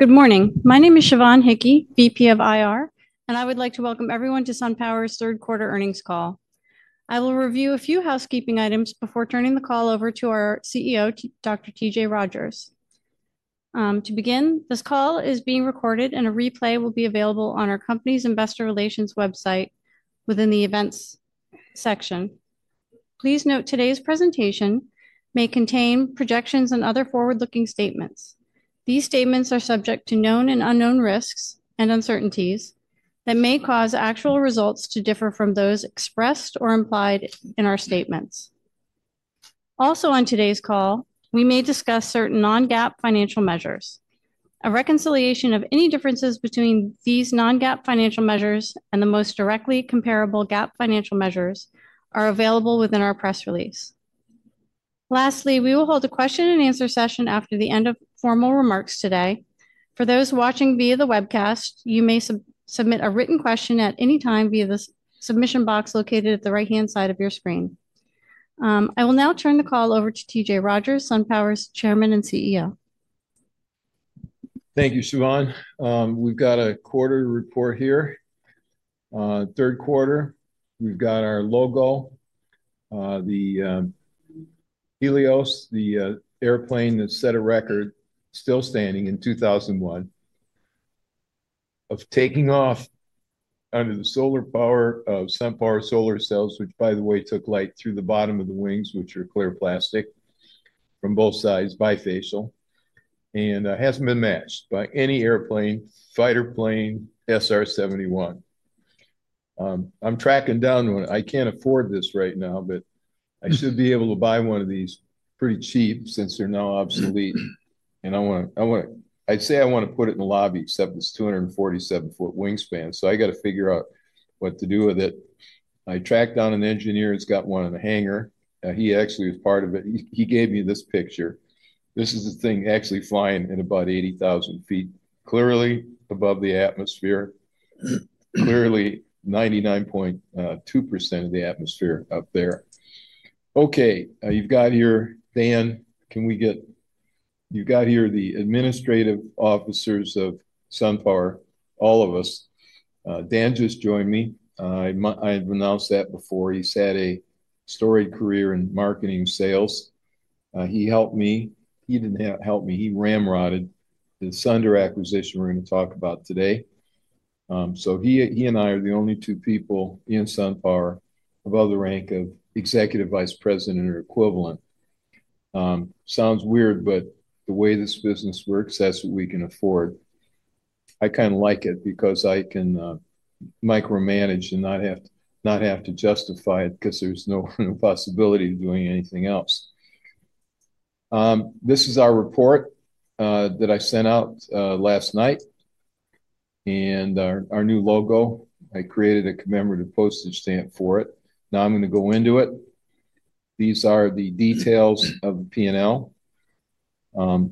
Good morning. My name is Sioban Hickie, VP of IR, and I would like to welcome everyone to SunPower's third quarter earnings call. I will review a few housekeeping items before turning the call over to our CEO, Dr. T.J. Rodgers. To begin, this call is being recorded, and a replay will be available on our company's Investor Relations website within the events section. Please note today's presentation may contain projections and other forward-looking statements. These statements are subject to known and unknown risks and uncertainties that may cause actual results to differ from those expressed or implied in our statements. Also, on today's call, we may discuss certain non-GAAP financial measures. A reconciliation of any differences between these non-GAAP financial measures and the most directly comparable GAAP financial measures is available within our press release. Lastly, we will hold a question and answer session after the end of formal remarks today. For those watching via the webcast, you may submit a written question at any time via the submission box located at the right-hand side of your screen. I will now turn the call over to T.J. Rodgers, SunPower's Chairman and CEO. Thank you, Sioban. We've got a quarter report here. Third quarter, we've got our logo, the Helios, the airplane that set a record still standing in 2001 of taking off under the solar power of SunPower solar cells, which, by the way, took light through the bottom of the wings, which are clear plastic from both sides, bifacial, and hasn't been matched by any airplane, fighter plane SR-71. I'm tracking down one. I can't afford this right now, but I should be able to buy one of these pretty cheap since they're now obsolete. I want to put it in the lobby, except it's 247-foot wingspan, so I got to figure out what to do with it. I tracked down an engineer, it's got one in the hangar. He actually was part of it. He gave me this picture. This is the thing actually flying at about 80,000 ft, clearly above the atmosphere, clearly 99.2% of the atmosphere up there. You've got here, Dan, can we get, you've got here the administrative officers of SunPower, all of us. Dan just joined me. I've announced that before. He's had a storied career in marketing sales. He helped me. He didn't help me, he ramrodded the Sunder acquisition we're going to talk about today. He and I are the only two people in SunPower of other rank of Executive Vice President or equivalent. Sounds weird, but the way this business works, that's what we can afford. I kind of like it because I can micromanage and not have to justify it because there's no possibility of doing anything else. This is our report that I sent out last night and our new logo. I created a commemorative postage stamp for it. Now I'm going to go into it. These are the details of the P&L, a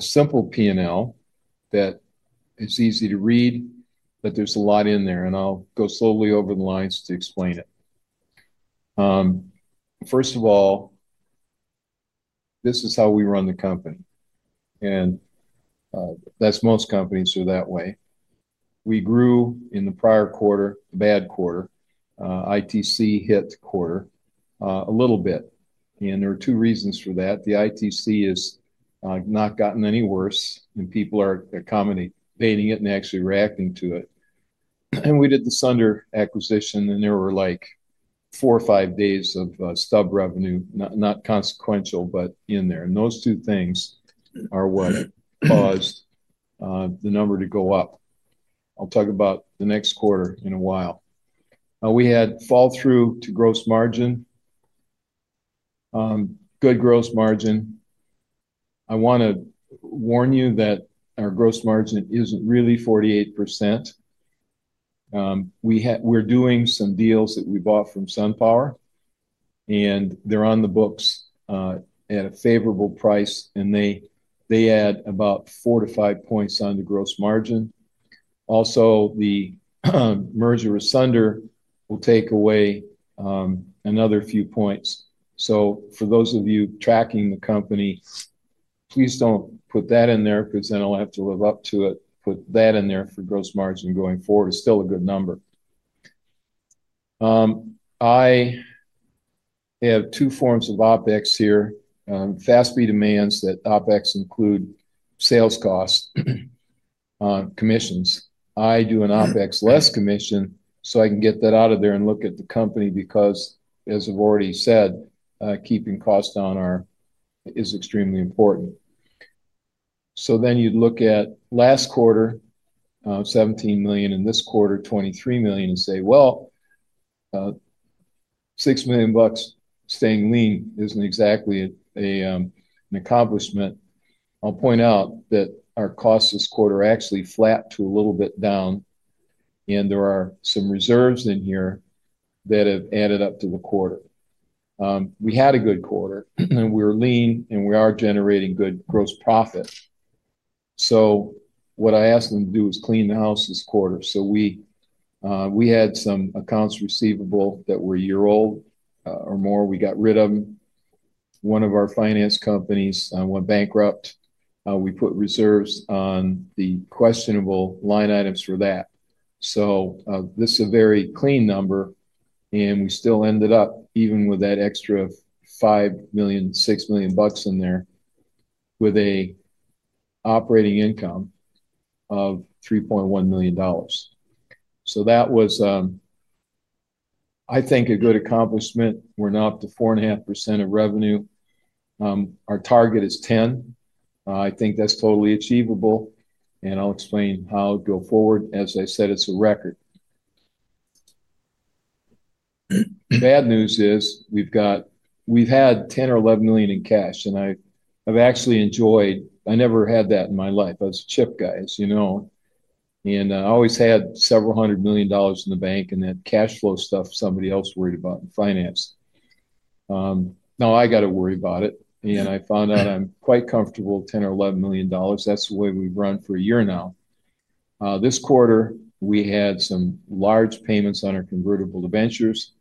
simple P&L that is easy to read, but there's a lot in there, and I'll go slowly over the lines to explain it. First of all, this is how we run the company, and most companies are that way. We grew in the prior quarter, the bad quarter. ITC hit the quarter a little bit, and there are two reasons for that. The ITC has not gotten any worse, and people are accommodating it and actually reacting to it. We did the Sunder acquisition, and there were like four or five days of stub revenue, not consequential, but in there. Those two things are what caused the number to go up. I'll talk about the next quarter in a while. We had fall through to gross margin, good gross margin. I want to warn you that our gross margin isn't really 48%. We're doing some deals that we bought from SunPower, and they're on the books at a favorable price, and they add about 4-5 points on the gross margin. Also, the merger with Sunder will take away another few points. For those of you tracking the company, please don't put that in there because then I'll have to live up to it. Put that in there for gross margin going forward. It's still a good number. I have two forms of OpEx here. FASB demands that OpEx include sales costs, commissions. I do an OpEx less commission so I can get that out of there and look at the company because, as I've already said, keeping costs down is extremely important. You'd look at last quarter, $17 million, and this quarter, $23 million, and say, $6 million bucks staying lean isn't exactly an accomplishment. I'll point out that our costs this quarter are actually flat to a little bit down, and there are some reserves in here that have added up to the quarter. We had a good quarter, and we were lean, and we are generating good gross profit. What I asked them to do is clean the house this quarter. We had some accounts receivable that were a year old or more. We got rid of them. One of our finance companies went bankrupt. We put reserves on the questionable line items for that. This is a very clean number, and we still ended up even with that extra $5 million, $6 million bucks in there with an operating income of $3.1 million. That was, I think, a good accomplishment. We're now up to 4.5% of revenue. Our target is 10%. I think that's totally achievable, and I'll explain how to go forward. As I said, it's a record. Bad news is we've had $10 or $11 million in cash, and I've actually enjoyed, I never had that in my life. I was a chip guy, as you know, and I always had several hundred million dollars in the bank and that cash flow stuff somebody else worried about in finance. Now I got to worry about it, and I found out I'm quite comfortable with $10 or $11 million. That's the way we've run for a year now. This quarter, we had some large payments on our convertible ventures,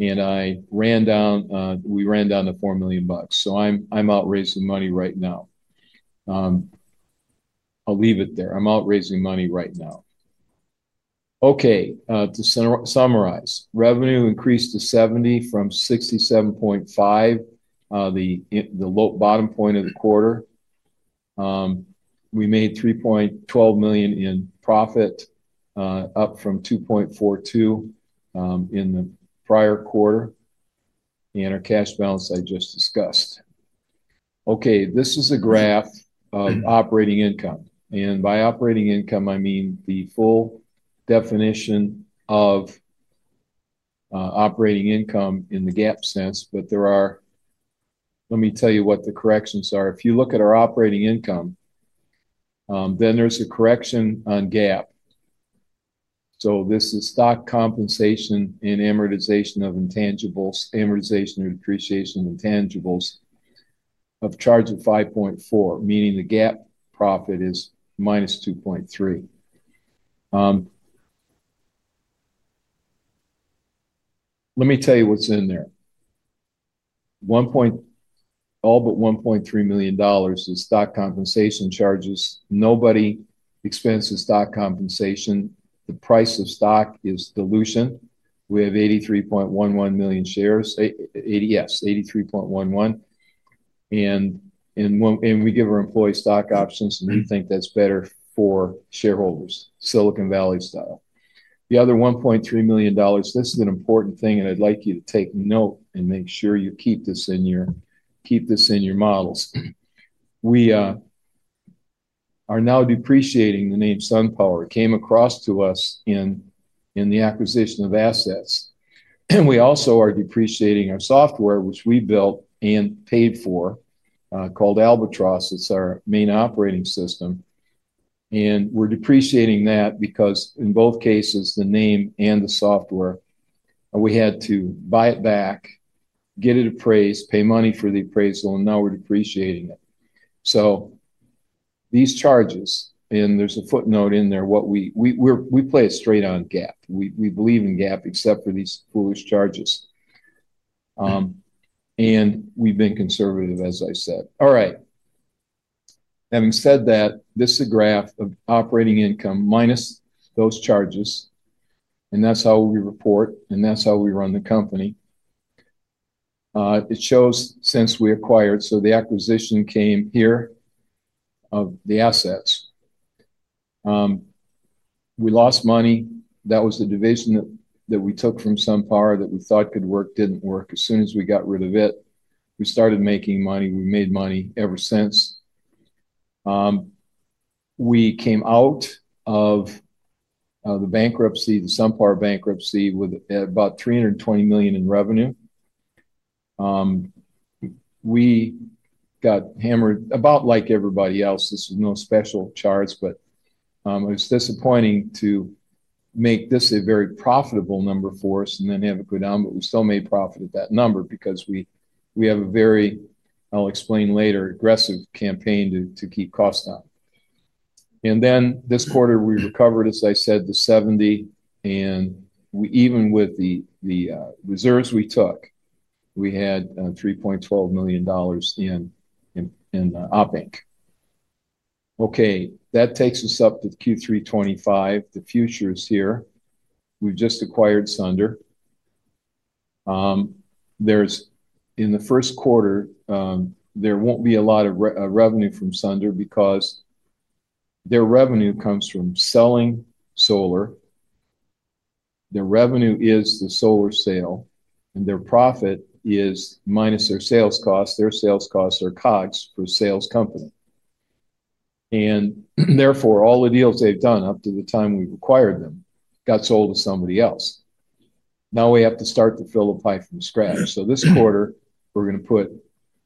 and we ran down the $4 million bucks. I'm out raising money right now. I'll leave it there. I'm out raising money right now. Okay, to summarize, revenue increased to $70 million from $67.5 million, the bottom point of the quarter. We made $3.12 million in profit, up from $2.42 million in the prior quarter, and our cash balance I just discussed. Okay, this is a graph of operating income, and by operating income, I mean the full definition of operating income in the GAAP sense, but let me tell you what the corrections are. If you look at our operating income, then there's a correction on GAAP. This is stock compensation and amortization of intangibles, amortization or depreciation of intangibles of charge of $5.4 million, meaning the GAAP profit is -$2.3 million. Let me tell you what's in there. All but $1.3 million is stock compensation charges. Nobody expenses stock compensation. The price of stock is dilution. We have 83.11 million shares, 83.11, and we give our employees stock options, and we think that's better for shareholders, Silicon Valley style. The other $1.3 million, this is an important thing, and I'd like you to take note and make sure you keep this in your models. We are now depreciating the name SunPower. It came across to us in the acquisition of assets. We also are depreciating our software, which we built and paid for, called Albatross. It's our main operating system. We're depreciating that because in both cases, the name and the software, we had to buy it back, get it appraised, pay money for the appraisal, and now we're depreciating it. These charges, and there's a footnote in there, we play it straight on GAAP. We believe in GAAP except for these foolish charges. We've been conservative, as I said. All right. Having said that, this is a graph of operating income minus those charges, and that's how we report, and that's how we run the company. It shows since we acquired, the acquisition came here of the assets. We lost money. That was the division that we took from SunPower that we thought could work, didn't work. As soon as we got rid of it, we started making money. We made money ever since. We came out of the bankruptcy, the SunPower bankruptcy with about $320 million in revenue. We got hammered about like everybody else. This is no special charge, but it was disappointing to make this a very profitable number for us and then have it go down, but we still made profit at that number because we have a very, I'll explain later, aggressive campaign to keep costs down. This quarter, we recovered, as I said, to $70 million, and even with the reserves we took, we had $3.12 million in OpEx. That takes us up to Q3 2025. The future is here. We've just acquired Sunder. In the first quarter, there won't be a lot of revenue from Sunder because their revenue comes from selling solar. Their revenue is the solar sale, and their profit is minus their sales costs. Their sales costs are costs per sales company. Therefore, all the deals they've done up to the time we've acquired them got sold to somebody else. Now we have to start to fill the pie from scratch. This quarter, we're going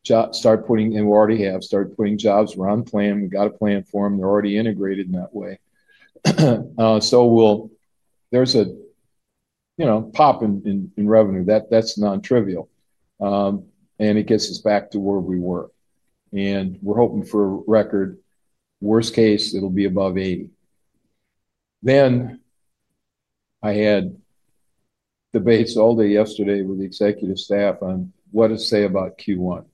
to start putting, and we already have, start putting jobs. We're on plan. We got a plan for them. They're already integrated in that way. There's a pop in revenue. That's non-trivial, and it gets us back to where we were. We're hoping for a record. Worst case, it'll be above 80. I had debates all day yesterday with the executive staff on what to say about Q1. I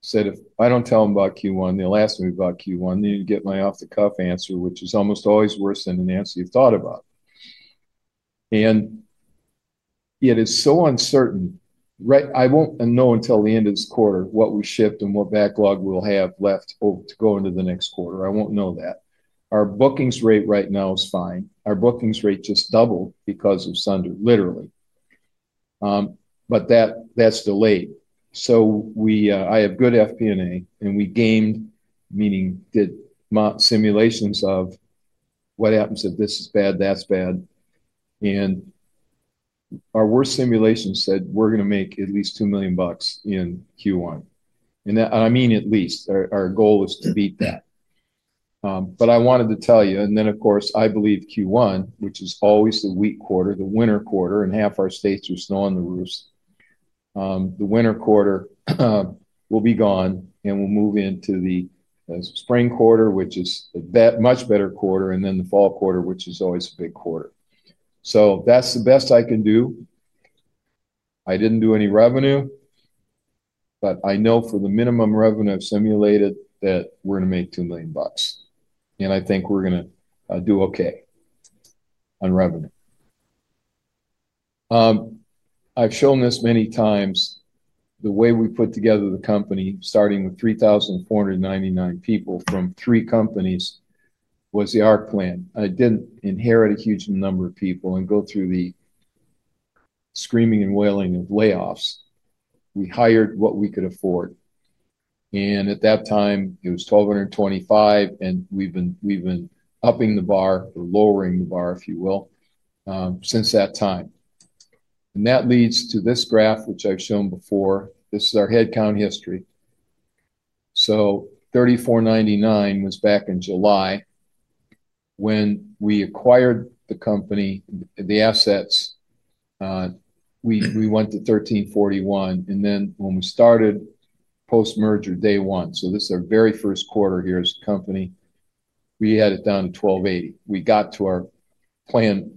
said if I don't tell them about Q1, they'll ask me about Q1. You get my off-the-cuff answer, which is almost always worse than an answer you've thought about. It is so uncertain. I won't know until the end of this quarter what we shipped and what backlog we'll have left to go into the next quarter. I won't know that. Our bookings rate right now is fine. Our bookings rate just doubled because of Sunder, literally. That's delayed. I have good FP&A, and we gamed, meaning did simulations of what happens if this is bad, that's bad. Our worst simulation said we're going to make at least $2 million in Q1. I mean at least. Our goal is to beat that. I wanted to tell you, and of course, I believe Q1, which is always the weak quarter, the winter quarter, and half our states are snow on the roofs. The winter quarter will be gone, and we'll move into the spring quarter, which is a much better quarter, and then the fall quarter, which is always a big quarter. That's the best I can do. I didn't do any revenue, but I know for the minimum revenue I've simulated that we're going to make $2 million. I think we're going to do okay on revenue. I've shown this many times. The way we put together the company, starting with 3,499 people from three companies, was the ARC plan. I didn't inherit a huge number of people and go through the screaming and wailing of layoffs. We hired what we could afford. At that time, it was 1,225, and we've been upping the bar or lowering the bar, if you will, since that time. That leads to this graph, which I've shown before. This is our headcount history. 3,499 was back in July. When we acquired the company, the assets, we went to 1,341. When we started post-merger day one, so this is our very first quarter here as a company, we had it down to 1,280. We got to our plan.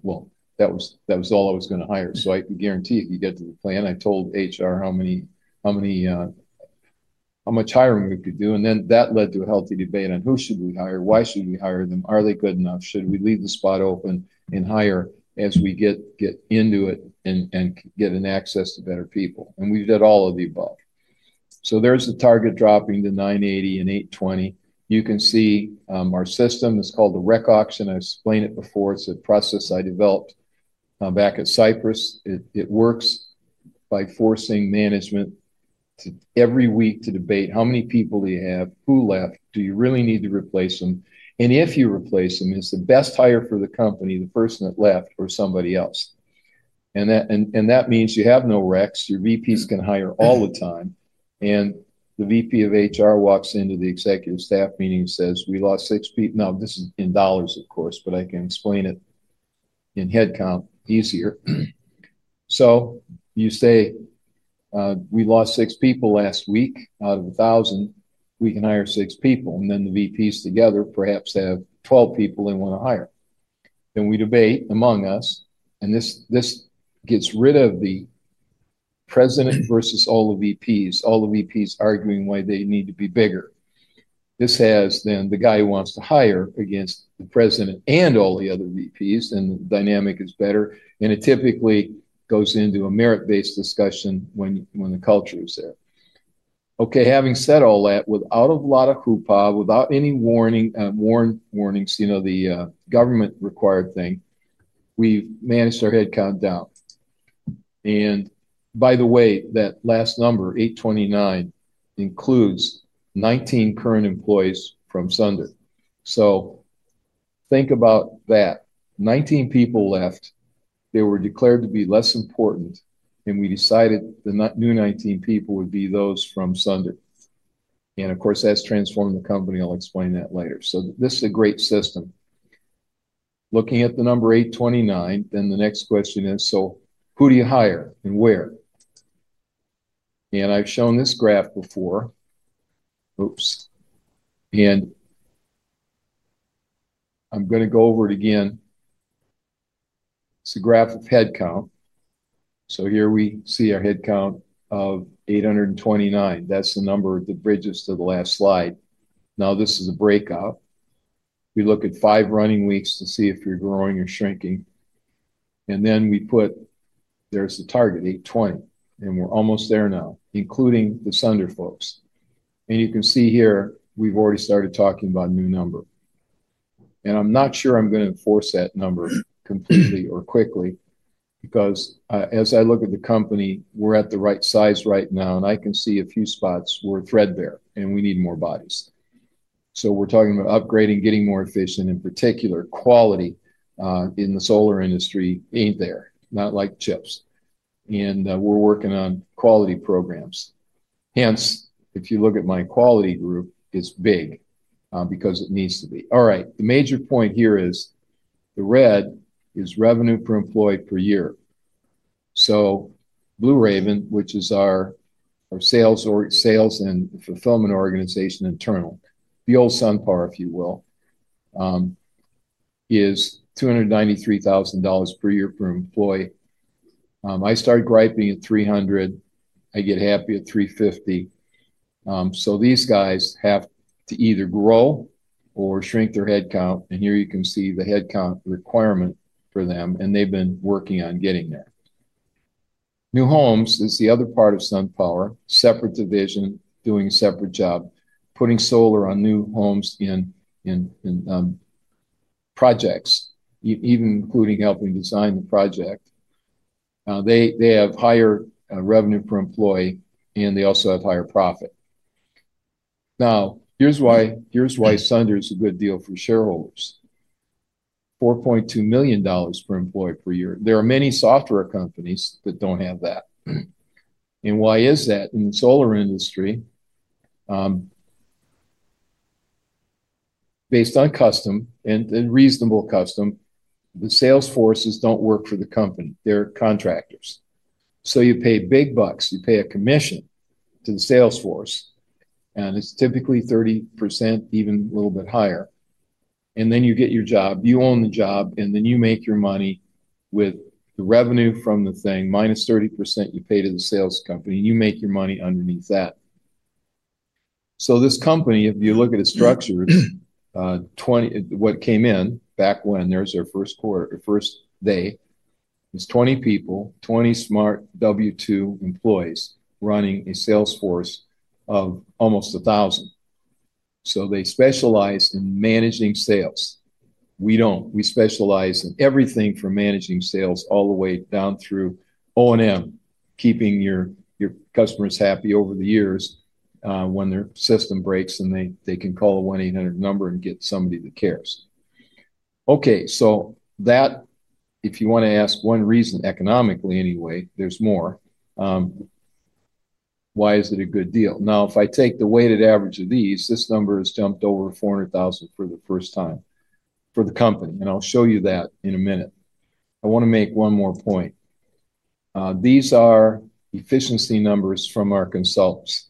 That was all I was going to hire. I can guarantee if you get to the plan, I told HR how much hiring we could do. That led to a healthy debate on who should we hire, why should we hire them, are they good enough, should we leave the spot open and hire as we get into it and get access to better people. We've done all of the above. There's the target dropping to 980 and 820. You can see our system. It's called the rec auction. I explained it before. It's a process I developed back at Cypress. It works by forcing management every week to debate how many people do you have, who left, do you really need to replace them, and if you replace them, is the best hire for the company the person that left or somebody else? That means you have no recs. Your VPs can hire all the time. The VP of HR walks into the executive staff meeting and says, "We lost six people." This is in dollars, of course, but I can explain it in headcount easier. You say, "We lost six people last week. Out of 1,000, we can hire six people." The VPs together perhaps have 12 people they want to hire. We debate among us. This gets rid of the president versus all the VPs, all the VPs arguing why they need to be bigger. This has the guy who wants to hire against the president and all the other VPs, and the dynamic is better. It typically goes into a merit-based discussion when the culture is there. Having said all that, without a lot of hoopla, without any warnings, you know, the government-required thing, we've managed our headcount down. By the way, that last number, 829, includes 19 current employees from Sunder. Think about that. 19 people left. They were declared to be less important, and we decided the new 19 people would be those from Sunder. Of course, that's transformed the company. I'll explain that later. This is a great system. Looking at the number 829, the next question is, who do you hire and where? I've shown this graph before. Oops. I'm going to go over it again. It's a graph of headcount. Here we see our headcount of 829. That's the number that bridges to the last slide. This is a break-off. We look at five running weeks to see if you're growing or shrinking. We put, there's the target, 820. We're almost there now, including the Sunder folks. You can see here, we've already started talking about a new number. I'm not sure I'm going to enforce that number completely or quickly because as I look at the company, we're at the right size right now, and I can see a few spots where we're threadbare, and we need more bodies. We're talking about upgrading, getting more efficient, in particular, quality in the solar industry ain't there, not like chips. We're working on quality programs. Hence, if you look at my quality group, it's big because it needs to be. The major point here is the red is revenue per employee per year. Blue Raven, which is our sales and fulfillment organization internal, the old SunPower, if you will, is $293,000 per year per employee. I start griping at 300. I get happy at 350. These guys have to either grow or shrink their headcount. Here you can see the headcount requirement for them, and they've been working on getting there. New Homes is the other part of SunPower, separate division, doing a separate job, putting solar on New Homes in projects, even including helping design the project. They have higher revenue per employee, and they also have higher profit. Here's why Sunder is a good deal for shareholders. $4.2 million per employee per year. There are many software companies that don't have that. Why is that? In the solar industry, based on custom and reasonable custom, the sales forces don't work for the company. They're contractors. You pay big bucks. You pay a commission to the sales force, and it's typically 30%, even a little bit higher. You get your job. You own the job, and then you make your money with the revenue from the thing, minus 30% you pay to the sales company, and you make your money underneath that. This company, if you look at its structure, what came in back when there was their first quarter, first day, it was 20 people, 20 smart W2 employees running a sales force of almost 1,000. They specialize in managing sales. We don't. We specialize in everything from managing sales all the way down through O&M, keeping your customers happy over the years when their system breaks, and they can call a 1-800 number and get somebody that cares. If you want to ask one reason, economically anyway, there's more. Why is it a good deal? Now, if I take the weighted average of these, this number has jumped over 400,000 for the first time for the company, and I'll show you that in a minute. I want to make one more point. These are efficiency numbers from our consultants.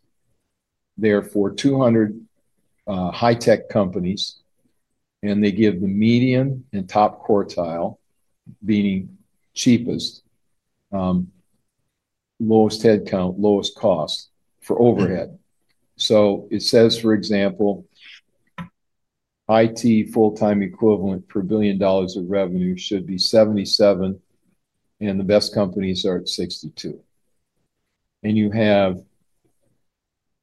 They're for 200 high-tech companies, and they give the median and top quartile, meaning cheapest, lowest headcount, lowest cost for overhead. It says, for example, IT full-time equivalent per billion dollars of revenue should be 77, and the best companies are at 62. You have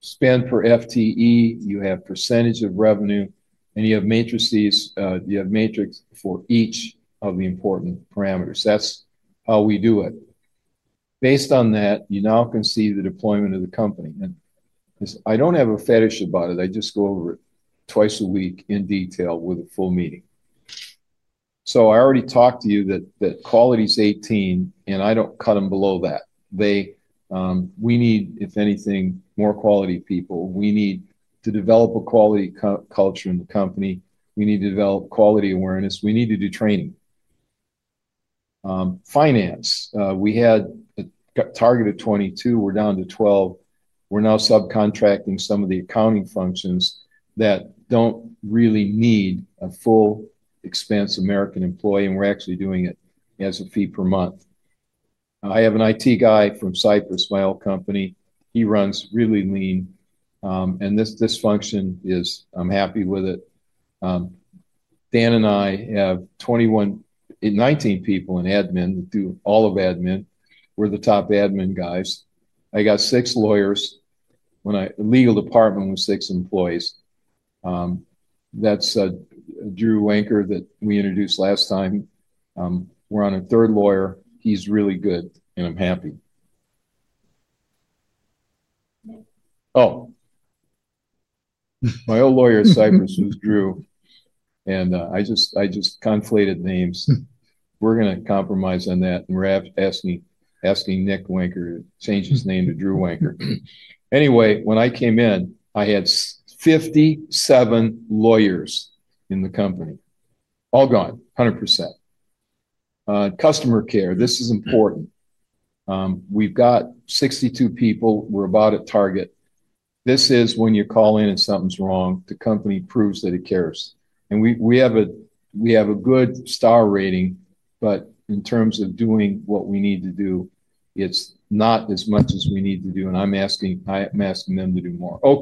spend per FTE, you have percentage of revenue, and you have matrices for each of the important parameters. That's how we do it. Based on that, you now can see the deployment of the company. I don't have a fetish about it. I just go over it twice a week in detail with a full meeting. I already talked to you that quality is 18, and I don't cut them below that. We need, if anything, more quality people. We need to develop a quality culture in the company. We need to develop quality awareness. We need to do training. Finance, we had a target of 22. We're down to 12. We're now subcontracting some of the accounting functions that don't really need a full expense American employee, and we're actually doing it as a fee per month. I have an IT guy from Cypress, my old company. He runs really lean, and this function is, I'm happy with it. Dan and I have, in 19 people in admin that do all of admin. We're the top admin guys. I got six lawyers in my legal department with six employees. That's a Drew Wanker that we introduced last time. We're on a third lawyer. He's really good, and I'm happy. Oh, my old lawyer at Cypress was Drew, and I just conflated names. We're going to compromise on that, and we're asking Nick Wanker to change his name to Drew Wanker. Anyway, when I came in, I had 57 lawyers in the company. All gone, 100%. Customer care, this is important. We've got 62 people. We're about at target. This is when you call in and something's wrong. The company proves that it cares. We have a good star rating, but in terms of doing what we need to do, it's not as much as we need to do, and I'm asking them to do more.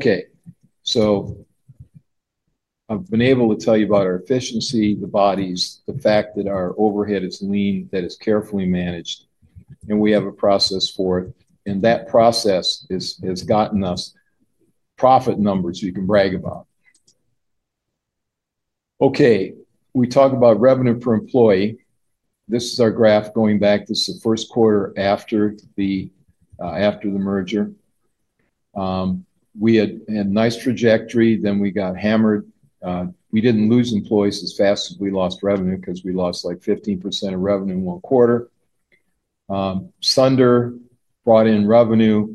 I've been able to tell you about our efficiency, the bodies, the fact that our overhead is lean, that it's carefully managed, and we have a process for it. That process has gotten us profit numbers we can brag about. We talk about revenue per employee. This is our graph going back. This is the first quarter after the merger. We had a nice trajectory then we got hammered. We didn't lose employees as fast as we lost revenue because we lost like 15% of revenue in one quarter. Sunder brought in revenue,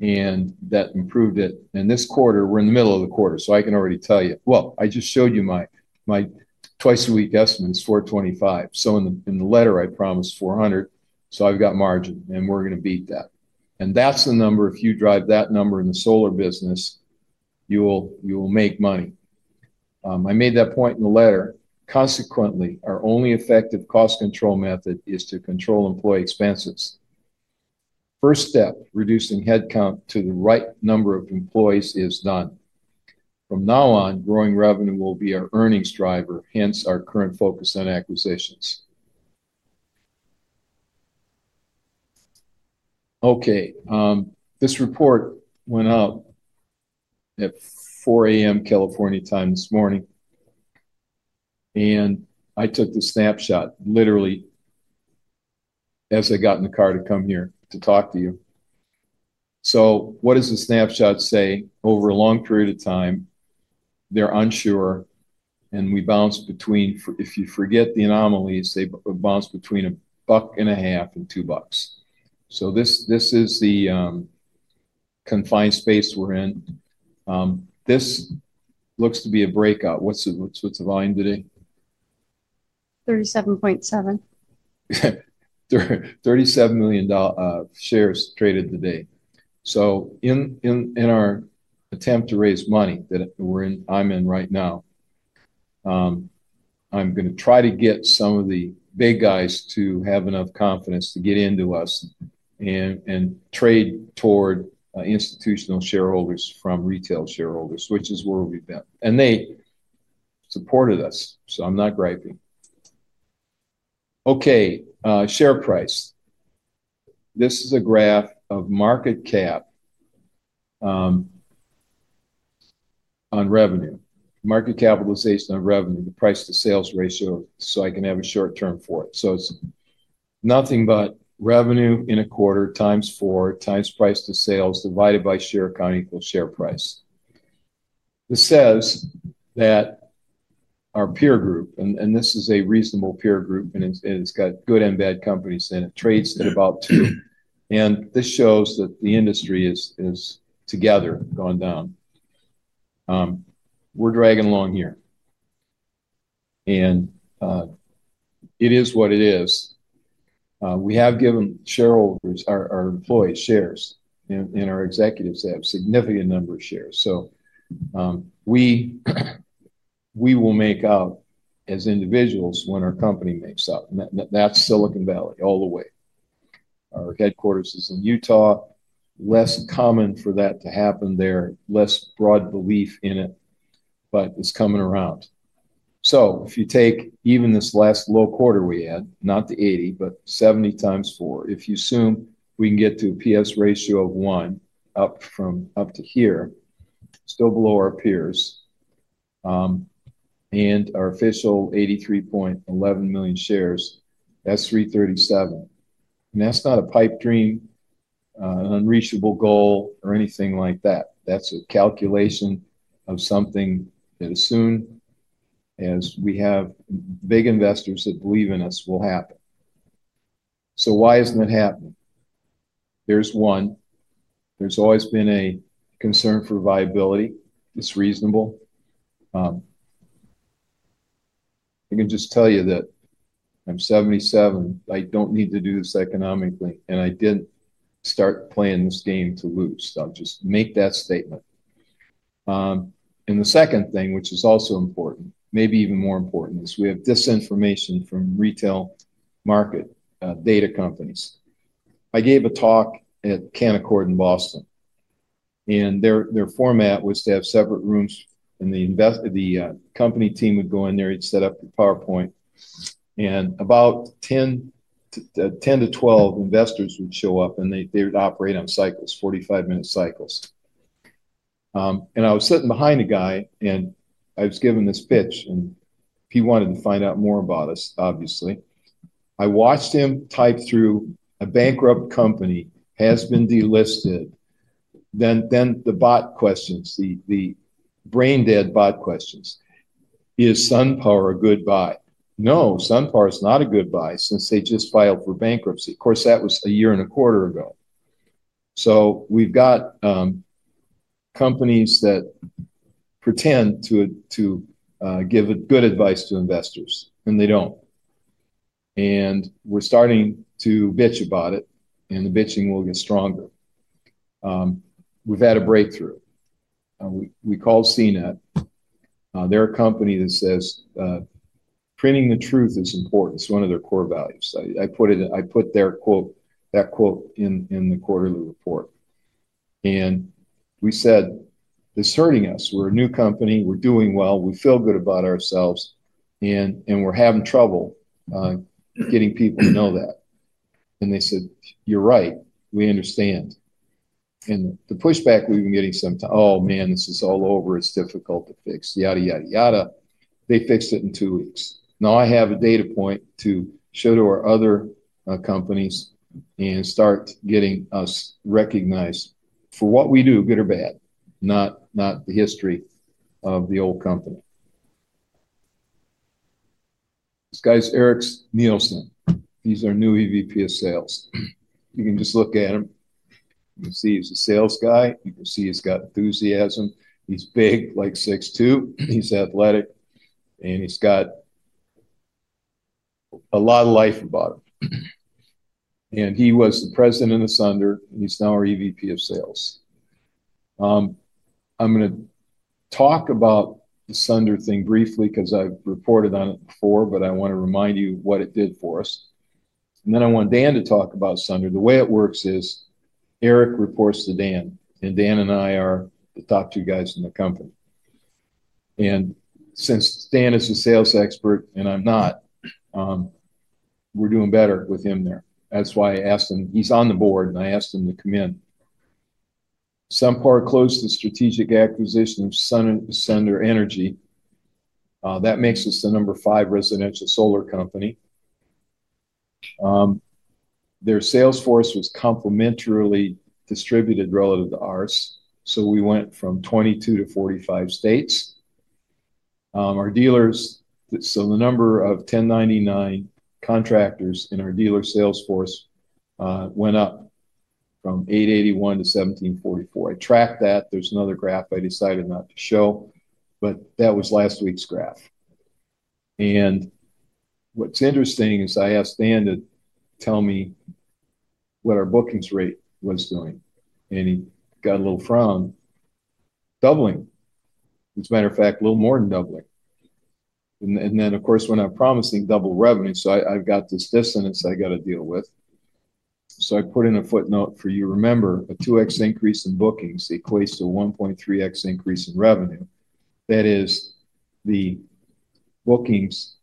and that improved it. This quarter, we're in the middle of the quarter, so I can already tell you I just showed you my twice-a-week estimate is 425. In the letter, I promised 400, so I've got margin, and we're going to beat that. That's the number. If you drive that number in the solar business, you will make money. I made that point in the letter. Consequently, our only effective cost control method is to control employee expenses. First step, reducing headcount to the right number of employees is done. From now on, growing revenue will be our earnings driver, hence our current focus on acquisitions. This report went out at 4:00 A.M. California time this morning, and I took the snapshot literally as I got in the car to come here to talk to you. What does the snapshot say? Over a long period of time, they're unsure, and we bounce between, if you forget the anomalies, they bounce between $1.50 and $2.00. This is the confined space we're in. This looks to be a breakout. What's the volume today? 37.7. $37 million shares traded today. In our attempt to raise money that I'm in right now, I'm going to try to get some of the big guys to have enough confidence to get into us and trade toward institutional shareholders from retail shareholders, which is where we've been. They supported us, so I'm not griping. Share price. This is a graph of market cap on revenue, market capitalization on revenue, the price-to-sales ratio, so I can have a short term for it. It's nothing but revenue in a quarter times four times price-to-sales divided by share count equals share price. This says that our peer group, and this is a reasonable peer group, and it's got good and bad companies in it, trades at about two. This shows that the industry is together gone down. We're dragging along here. It is what it is. We have given shareholders, our employees shares, and our executives have a significant number of shares. We will make out as individuals when our company makes out. That's Silicon Valley all the way. Our headquarters is in Utah. Less common for that to happen there, less broad belief in it, but it's coming around. If you take even this last low quarter we had, not the 80, but 70 times four, if you assume we can get to a PS ratio of one up to here, still below our peers, and our official 83.11 million shares, that's 337. That's not a pipe dream, an unreachable goal, or anything like that. That's a calculation of something that as soon as we have big investors that believe in us will happen. Why isn't it happening? There's one. There's always been a concern for viability. It's reasonable. I can just tell you that I'm 77. I don't need to do this economically, and I didn't start playing this game to lose. I'll just make that statement. The second thing, which is also important, maybe even more important, is we have disinformation from retail market data companies. I gave a talk at Canaccord in Boston, and their format was to have separate rooms, and the company team would go in there you'd set up your PowerPoint, and about 10-12 investors would show up, and they would operate on cycles, 45-minute cycles. I was sitting behind a guy, and I was giving this pitch, and he wanted to find out more about us, obviously. I watched him type through a bankrupt company, has been delisted. Then the bot questions, the brain-dead bot questions. Is SunPower a good buy? No, SunPower is not a good buy since they just filed for bankruptcy. Of course, that was a year and a quarter ago. We've got companies that pretend to give good advice to investors, and they don't. We're starting to bitch about it, and the bitching will get stronger. We've had a breakthrough. We called CNET. They're a company that says printing the truth is important. It's one of their core values. I put that quote in the quarterly report. We said, "This is hurting us. We're a new company, we're doing well, we feel good about ourselves, and we're having trouble getting people to know that." They said, "You're right. We understand." The pushback we've been getting sometimes, "Oh, man, this is all over. It's difficult to fix, yada, yada, yada." They fixed it in two weeks. Now I have a data point to show to our other companies and start getting us recognized for what we do, good or bad, not the history of the old company. This guy's Eric Neilson. He's our new EVP of Sales. You can just look at him. You can see he's a sales guy. You can see he's got enthusiasm. He's big, like 6'2". He's athletic, and he's got a lot of life about him. He was the President of Sunder, and he's now our EVP of Sales. I'm going to talk about the Sunder thing briefly because I've reported on it before, but I want to remind you what it did for us. I want Dan to talk about Sunder. The way it works is Eric reports to Dan, and Dan and I are the top two guys in the company. Since Dan is a sales expert and I'm not, we're doing better with him there. That's why I asked him. He's on the board, and I asked him to come in. SunPower closed the strategic acquisition of Sunder Energy. That makes us the number five residential solar company. Their sales force was complementarily distributed relative to ours, so we went from 22-45 states. Our dealers, so the number of 1,099 contractors in our dealer sales force went up from 881-1,744. I tracked that. There's another graph I decided not to show, but that was last week's graph. What's interesting is I asked Dan to tell me what our bookings rate was doing, and he got a little frown, doubling. As a matter of fact, a little more than doubling. Of course, we're not promising double revenue, so I've got this dissonance I got to deal with. I put in a footnote for you. Remember, a 2x increase in bookings equates to a 1.3x increase in revenue. That is, the bookings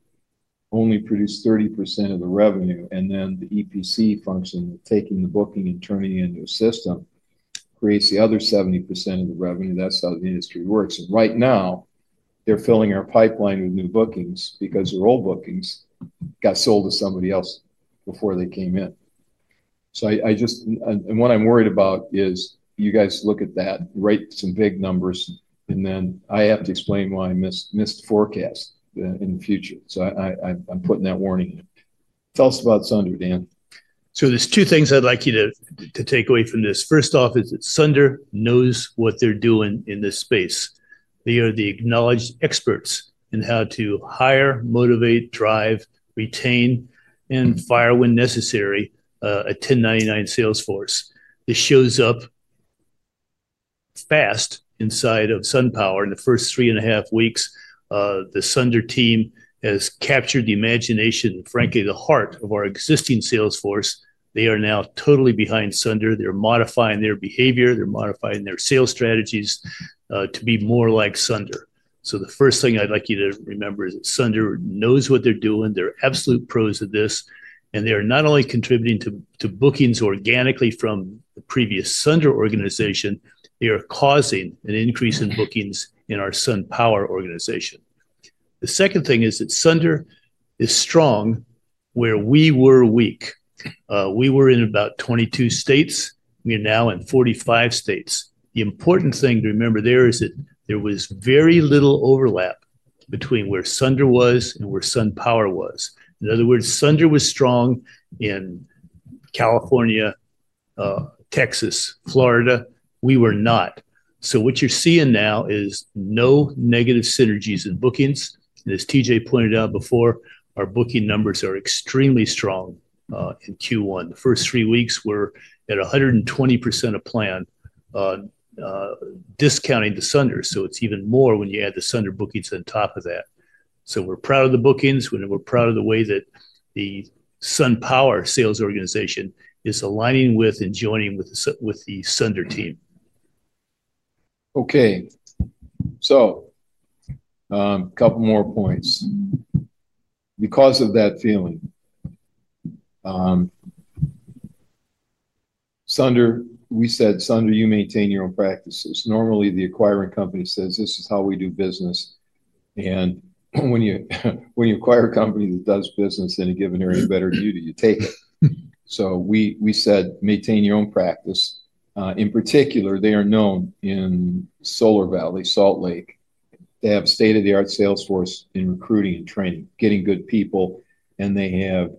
only produce 30% of the revenue, and then the EPC function, taking the booking and turning it into a system, creates the other 70% of the revenue. That's how the industry works. Right now, they're filling our pipeline with new bookings because their old bookings got sold to somebody else before they came in. What I'm worried about is you guys look at that, write some big numbers, and then I have to explain why I missed forecast in the future. I'm putting that warning in. Tell us about Sunder, Dan. There are two things I'd like you to take away from this. First off is that Sunder knows what they're doing in this space. They are the acknowledged experts in how to hire, motivate, drive, retain, and fire when necessary a 1,099 sales force. This shows up fast inside of SunPower. In the first three and a half weeks, the Sunder team has captured the imagination and, frankly, the heart of our existing sales force. They are now totally behind Sunder, they're modifying their behavior, they're modifying their sales strategies to be more like Sunder. The first thing I'd like you to remember is that Sunder knows what they're doing. They're absolute pros at this, and they are not only contributing to bookings organically from the previous Sunder organization, they are causing an increase in bookings in our SunPower organization. The second thing is that Sunder is strong where we were weak. We were in about 22 states. We are now in 45 states. The important thing to remember there is that there was very little overlap between where Sunder was and where SunPower was. In other words, Sunder was strong in California, Texas, Florida. We were not. What you're seeing now is no negative synergies in bookings. As T.J. pointed out before, our booking numbers are extremely strong in Q1. The first three weeks were at 120% of plan, discounting the Sunder. It's even more when you add the Sunder bookings on top of that. We're proud of the bookings, and we're proud of the way that the SunPower sales organization is aligning with and joining with the Sunder team. A couple more points. Because of that feeling, Sunder, we said, "Sunder, you maintain your own practices." Normally, the acquiring company says, "This is how we do business." When you acquire a company that does business in a given area, better to you to take it. We said, "Maintain your own practice." In particular, they are known in Solar Valley, Salt Lake. They have a state-of-the-art sales force in recruiting and training, getting good people, and they have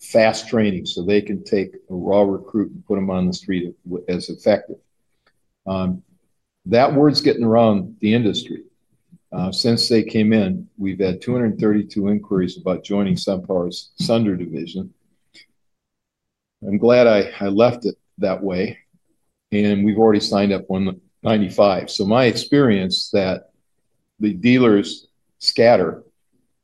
fast training so they can take a raw recruit and put them on the street as effective. That word's getting around the industry. Since they came in, we've had 232 inquiries about joining SunPower's Sunder division. I'm glad I left it that way. We've already signed up 195. My experience is that the dealers scatter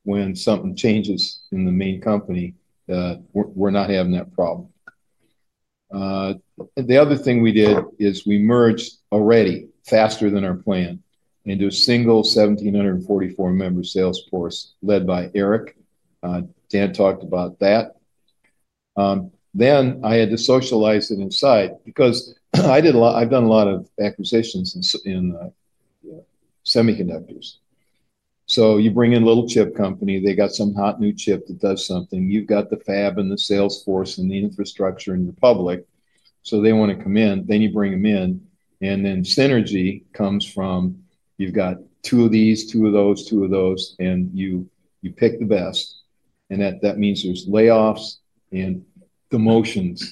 when something changes in the main company. We're not having that problem. The other thing we did is we merged already faster than our plan into a single 1,744-member sales force led by Eric. Dan talked about that. I had to socialize it inside because I've done a lot of acquisitions in semiconductors. You bring in a little chip company, they got some hot new chip that does something. You've got the fab and the sales force and the infrastructure and your public. They want to come in. You bring them in. Synergy comes from you've got two of these, two of those, two of those, and you pick the best. That means there's layoffs and demotions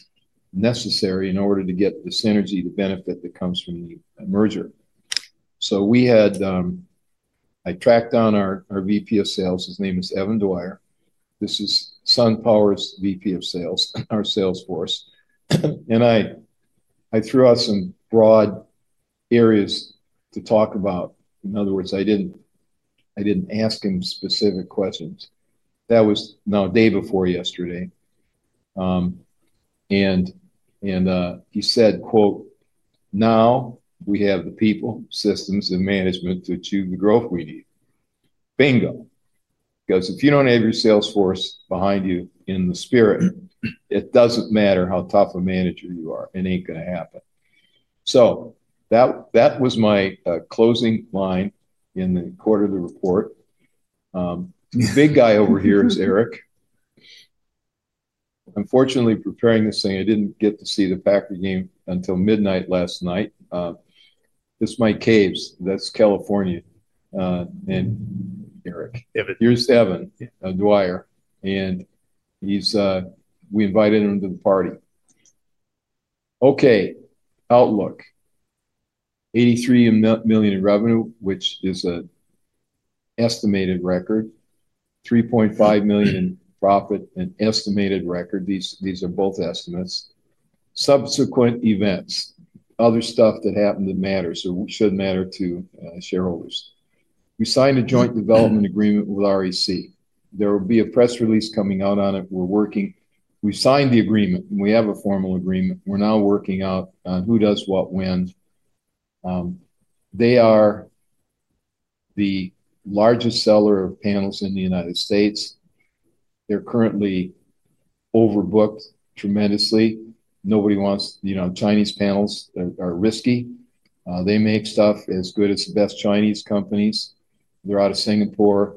necessary in order to get the synergy, the benefit that comes from the merger. I tracked down our VP of Sales. His name is Evan Dwyer. This is SunPower's VP of Sales, our sales force. I threw out some broad areas to talk about. In other words, I didn't ask him specific questions. That was a day before yesterday. He said, "Now we have the people, systems, and management to achieve the growth we need." Bingo. If you don't have your sales force behind you in the spirit, it doesn't matter how tough a manager you are. It ain't going to happen. That was my closing line in the quarter of the report. The big guy over here is Eric. Unfortunately, preparing this thing, I didn't get to see the Packer game until midnight last night. This is my caves. That's California. And here's Evan Dwyer we invited him to the party. Okay, outlook. $83 million in revenue, which is an estimated record. $3.5 million in profit, an estimated record. These are both estimates. Subsequent events, other stuff that happened that matters, or should matter to shareholders. We signed a joint development agreement with REC. There will be a press release coming out on it. We're working. We signed the agreement, and we have a formal agreement. We're now working out on who does what when. They are the largest seller of panels in the United States. They're currently overbooked tremendously. Nobody wants, you know, Chinese panels that are risky. They make stuff as good as the best Chinese companies. They're out of Singapore,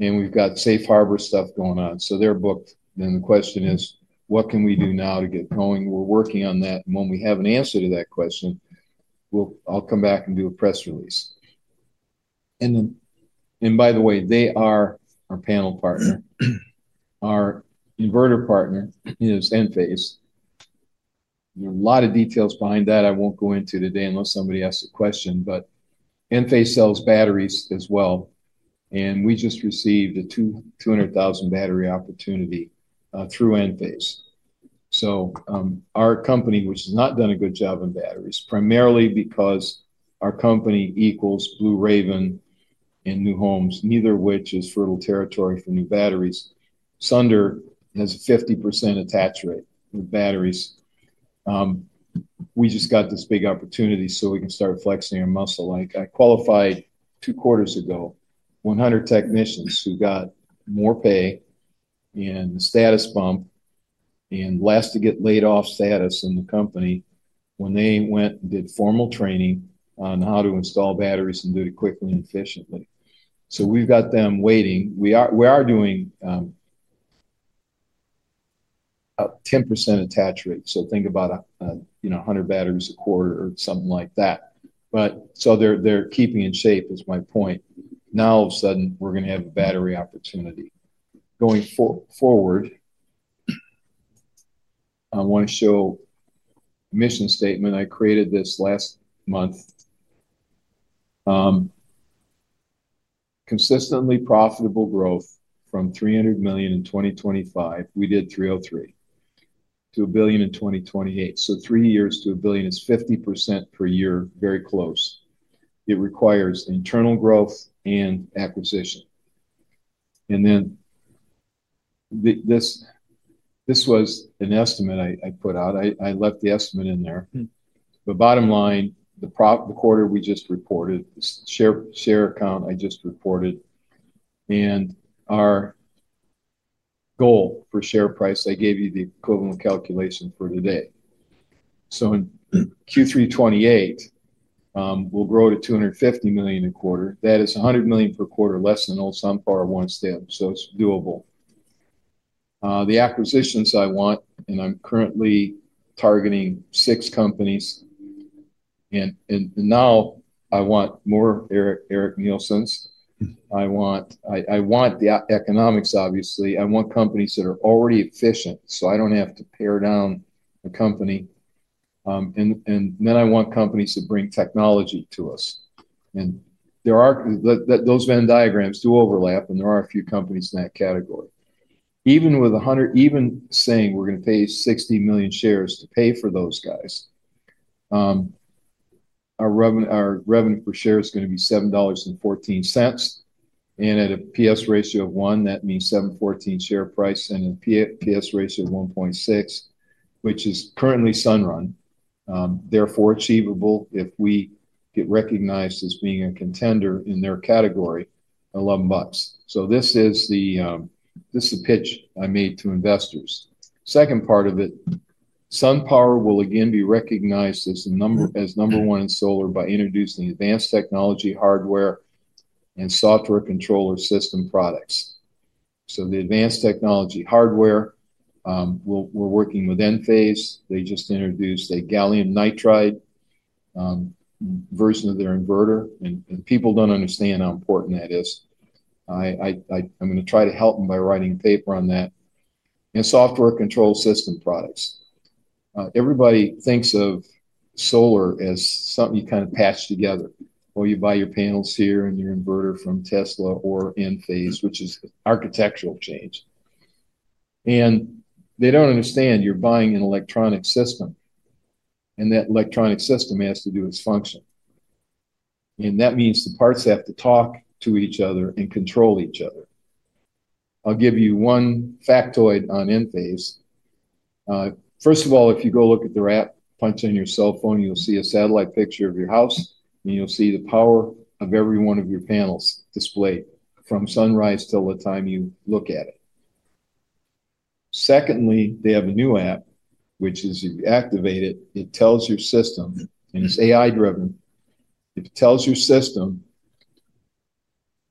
and we've got safe harbor stuff going on. They're booked. The question is, what can we do now to get going? We're working on that. When we have an answer to that question, I'll come back and do a press release. By the way, they are our panel partner. Our inverter partner is Enphase. There are a lot of details behind that I won't go into today unless somebody asks a question, but Enphase sells batteries as well. We just received a 200,000 battery opportunity through Enphase. Our company, which has not done a good job in batteries, primarily because our company equals Blue Raven and New Homes, neither of which is fertile territory for new batteries. Sunder has a 50% attach rate with batteries. We just got this big opportunity so we can start flexing our muscle. Like I qualified two quarters ago, 100 technicians who got more pay and the status bump and last to get laid off status in the company when they went and did formal training on how to install batteries and do it quickly and efficiently. We've got them waiting. We are doing a 10% attach rate. Think about, you know, 100 batteries a quarter or something like that. They're keeping in shape is my point. Now all of a sudden, we're going to have a battery opportunity. Going forward, I want to show a mission statement I created this last month. Consistently profitable growth from $300 million in 2025. We did $303 million-$1 billion in 2028. Three years to $1 billion is 50% per year, very close. It requires internal growth and acquisition. This was an estimate I put out. I left the estimate in there. Bottom line, the quarter we just reported, the share count I just reported, and our goal for share price, I gave you the equivalent calculation for today. In Q3 2028, we'll grow to $250 million a quarter. That is $100 million per quarter less than old SunPower wants to have. It's doable. The acquisitions I want, and I'm currently targeting six companies. Now I want more Eric Neilsons. I want the economics, obviously. I want companies that are already efficient so I don't have to pare down a company. I want companies that bring technology to us. Those Venn diagrams do overlap, and there are a few companies in that category. Even with 100, even saying we're going to pay 60 million shares to pay for those guys, our revenue per share is going to be $7.14. At a PS ratio of 1, that means $7.14 share price, and a PS ratio of 1.6, which is currently SunRun. Therefore, achievable if we get recognized as being a contender in their category at $11. This is the pitch I made to investors. Second part of it, SunPower will again be recognized as number one in solar by introducing advanced technology, hardware, and software controller system products. The advanced technology hardware, we're working with Enphase. They just introduced a gallium nitride version of their inverter, and people don't understand how important that is. I'm going to try to help them by writing a paper on that. Software control system products, everybody thinks of solar as something you kind of patch together. You buy your panels here and your inverter from Tesla or Enphase, which is an architectural change. They don't understand you're buying an electronic system, and that electronic system has to do its function. That means the parts have to talk to each other and control each other. I'll give you one factoid on Enphase. First of all, if you go look at their app, punch in your cell phone, you'll see a satellite picture of your house, and you'll see the power of every one of your panels displayed from sunrise till the time you look at it. Secondly, they have a new app, which is if you activate it, it tells your system, and it's AI-driven. If it tells your system,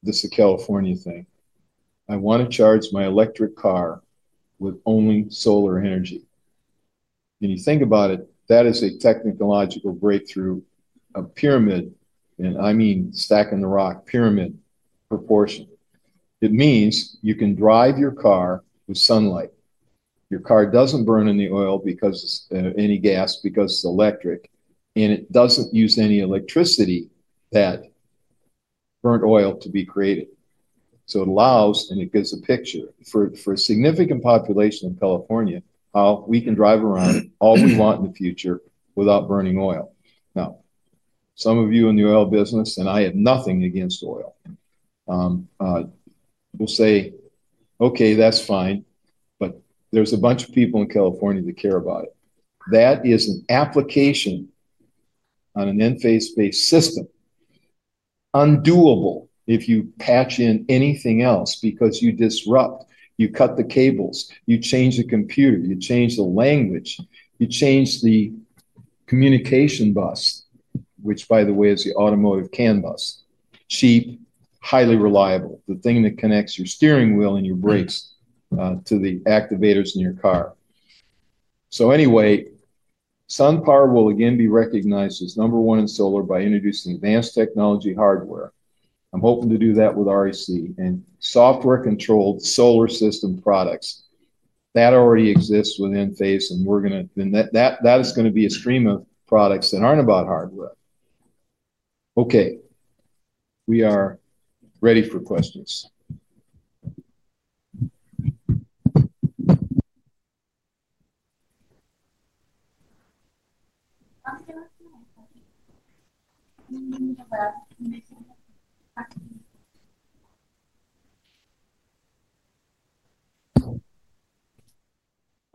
this is a California thing. I want to charge my electric car with only solar energy. When you think about it, that is a technological breakthrough, a pyramid, and I mean stacking the rock pyramid proportion. It means you can drive your car with sunlight. Your car doesn't burn any oil because it's any gas because it's electric, and it doesn't use any electricity that burnt oil to be created. It allows, and it gives a picture for a significant population in California how we can drive around all we want in the future without burning oil. Some of you in the oil business, and I have nothing against oil, will say, "Okay, that's fine, but there's a bunch of people in California that care about it." That is an application on an Enphase-based system, undoable if you patch in anything else because you disrupt, you cut the cables, you change the computer, you change the language, you change the communication bus, which by the way is the automotive CAN bus. Cheap, highly reliable, the thing that connects your steering wheel and your brakes to the activators in your car. SunPower will again be recognized as number one in solar by introducing advanced technology hardware. I'm hoping to do that with REC and software-controlled solar system products. That already exists with Enphase, and that is going to be a stream of products that aren't about hardware. Okay, we are ready for questions.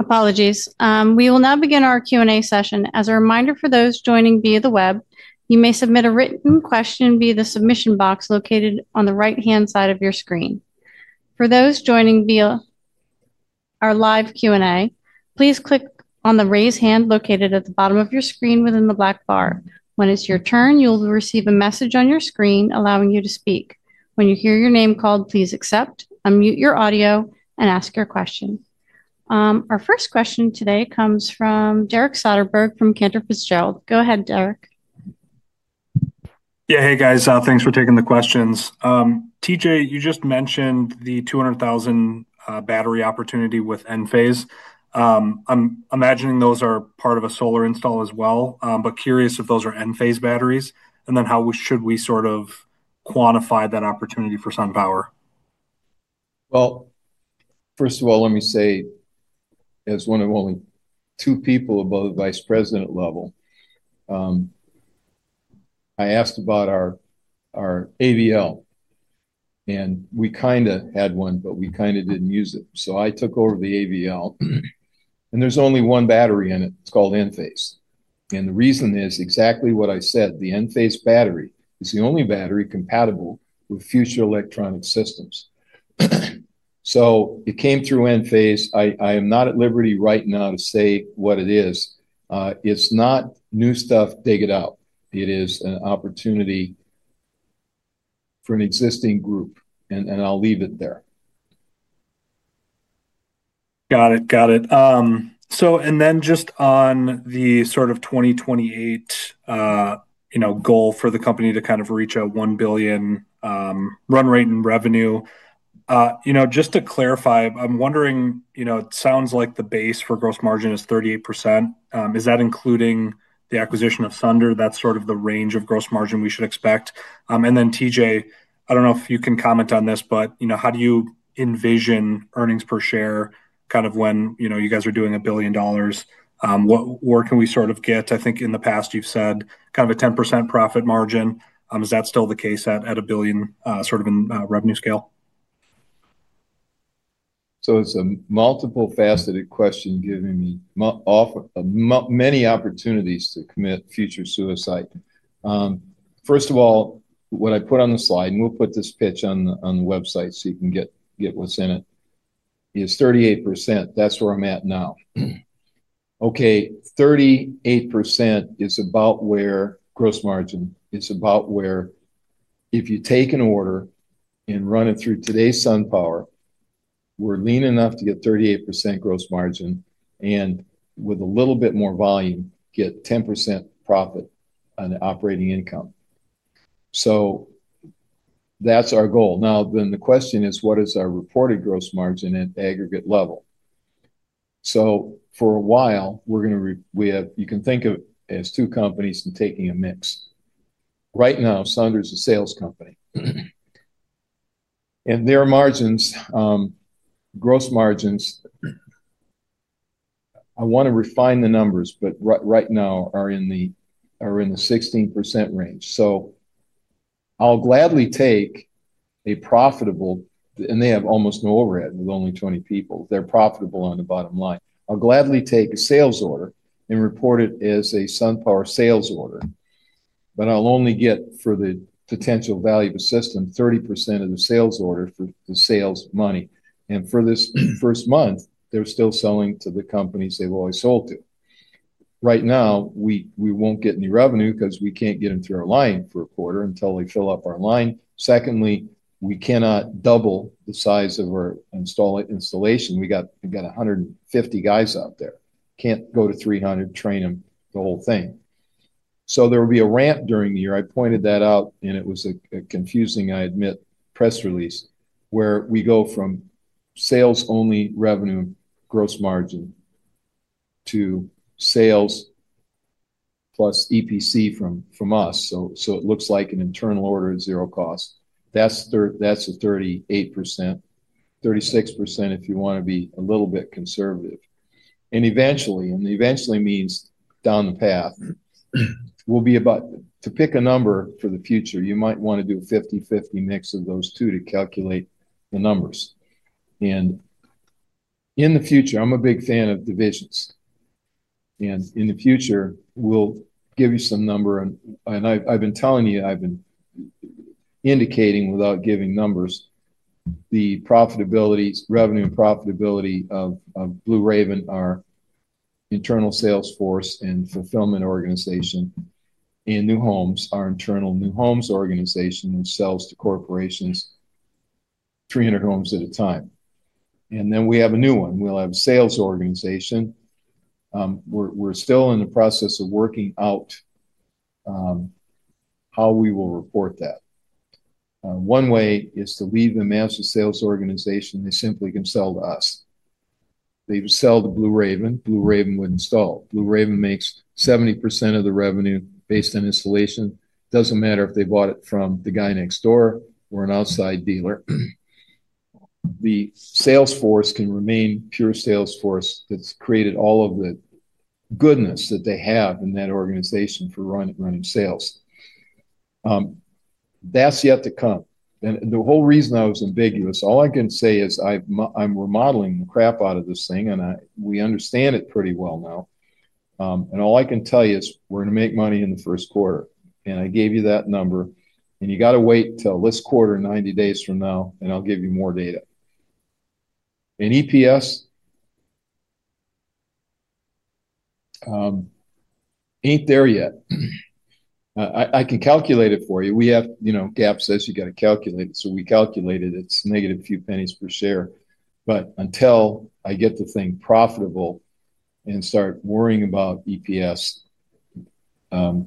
Apologies. We will now begin our Q&A session. As a reminder for those joining via the web, you may submit a written question via the submission box located on the right-hand side of your screen. For those joining via our live Q&A, please click on the raise hand located at the bottom of your screen within the black bar. When it's your turn, you'll receive a message on your screen allowing you to speak. When you hear your name called, please accept, unmute your audio, and ask your question. Our first question today comes from Derek Soderbergh from Cantor Fitzgerald. Go ahead, Derek. Yeah, hey guys, thanks for taking the questions. TJ, you just mentioned the 200,000 battery opportunity with Enphase. I'm imagining those are part of a solar install as well, but curious if those are Enphase batteries, and then how should we sort of quantify that opportunity for SunPower. First of all, let me say as one of only two people above the Vice President level, I asked about our AVL, and we kind of had one, but we kind of didn't use it. I took over the AVL, and there's only one battery in it. It's called Enphase. The reason is exactly what I said. The Enphase battery is the only battery compatible with future electronic systems. It came through Enphase. I am not at liberty right now to say what it is. It's not new stuff, take it out. It is an opportunity for an existing group, and I'll leave it there. Got it. Got it. On the sort of 2028 goal for the company to reach a $1 billion run rate in revenue, just to clarify, I'm wondering, it sounds like the base for gross margin is 38%. Is that including the acquisition of Sunder? That's the range of gross margin we should expect. TJ, I don't know if you can comment on this, but how do you envision earnings per share when you guys are doing a billion dollars? What can we get? I think in the past you've said a 10% profit margin. Is that still the case at a billion in revenue scale? It's a multiple-faceted question giving me many opportunities to commit future suicide. First of all, what I put on the slide, and we'll put this pitch on the website so you can get what's in it, is 38%. That's where I'm at now. 38% is about where gross margin is, about where if you take an order and run it through today's SunPower, we're lean enough to get 38% gross margin and with a little bit more volume, get 10% profit on the operating income. That's our goal. The question is what is our reported gross margin at aggregate level? For a while, we have, you can think of as two companies and taking a mix. Right now, Sunder is a sales company. Their gross margins, I want to refine the numbers, but right now are in the 16% range. I'll gladly take a profitable, and they have almost no overhead with only 20 people. They're profitable on the bottom line. I'll gladly take a sales order and report it as a SunPower sales order. I'll only get for the potential value of the system, 30% of the sales order for the sales money. For this first month, they're still selling to the companies they've always sold to. Right now, we won't get any revenue because we can't get them through our line for a quarter until they fill up our line. Secondly, we cannot double the size of our installation. We got 150 guys out there. Can't go to 300, train them, the whole thing. There will be a ramp during the year. I pointed that out, and it was a confusing, I admit, press release where we go from sales only revenue gross margin to sales plus EPC from us. It looks like an internal order of zero cost. That's a 38%, 36% if you want to be a little bit conservative. Eventually, and eventually means down the path, we'll be about to pick a number for the future. You might want to do a 50-50 mix of those two to calculate the numbers. In the future, I'm a big fan of divisions. In the future, we'll give you some number. I've been telling you, I've been indicating without giving numbers, the profitability, revenue and profitability of Blue Raven, our internal sales force and fulfillment organization. New Homes are internal New Homes organization that sells to corporations 300 homes at a time. We have a new one. We'll have a sales organization. We're still in the process of working out how we will report that. One way is to leave them as a sales organization. They simply can sell to us. They sell to Blue Raven. Blue Raven would install. Blue Raven makes 70% of the revenue based on installation. It doesn't matter if they bought it from the guy next door or an outside dealer. The sales force can remain pure sales force that's created all of the goodness that they have in that organization for running sales. That's yet to come. The whole reason I was ambiguous, all I can say is I'm remodeling the crap out of this thing, and we understand it pretty well now. All I can tell you is we're going to make money in the first quarter. I gave you that number. You got to wait till this quarter, 90 days from now, and I'll give you more data. EPS ain't there yet. I can calculate it for you. We have, you know, GAAP says you got to calculate it. So we calculated it's negative a few pennies per share. Until I get the thing profitable and start worrying about EPS, I'm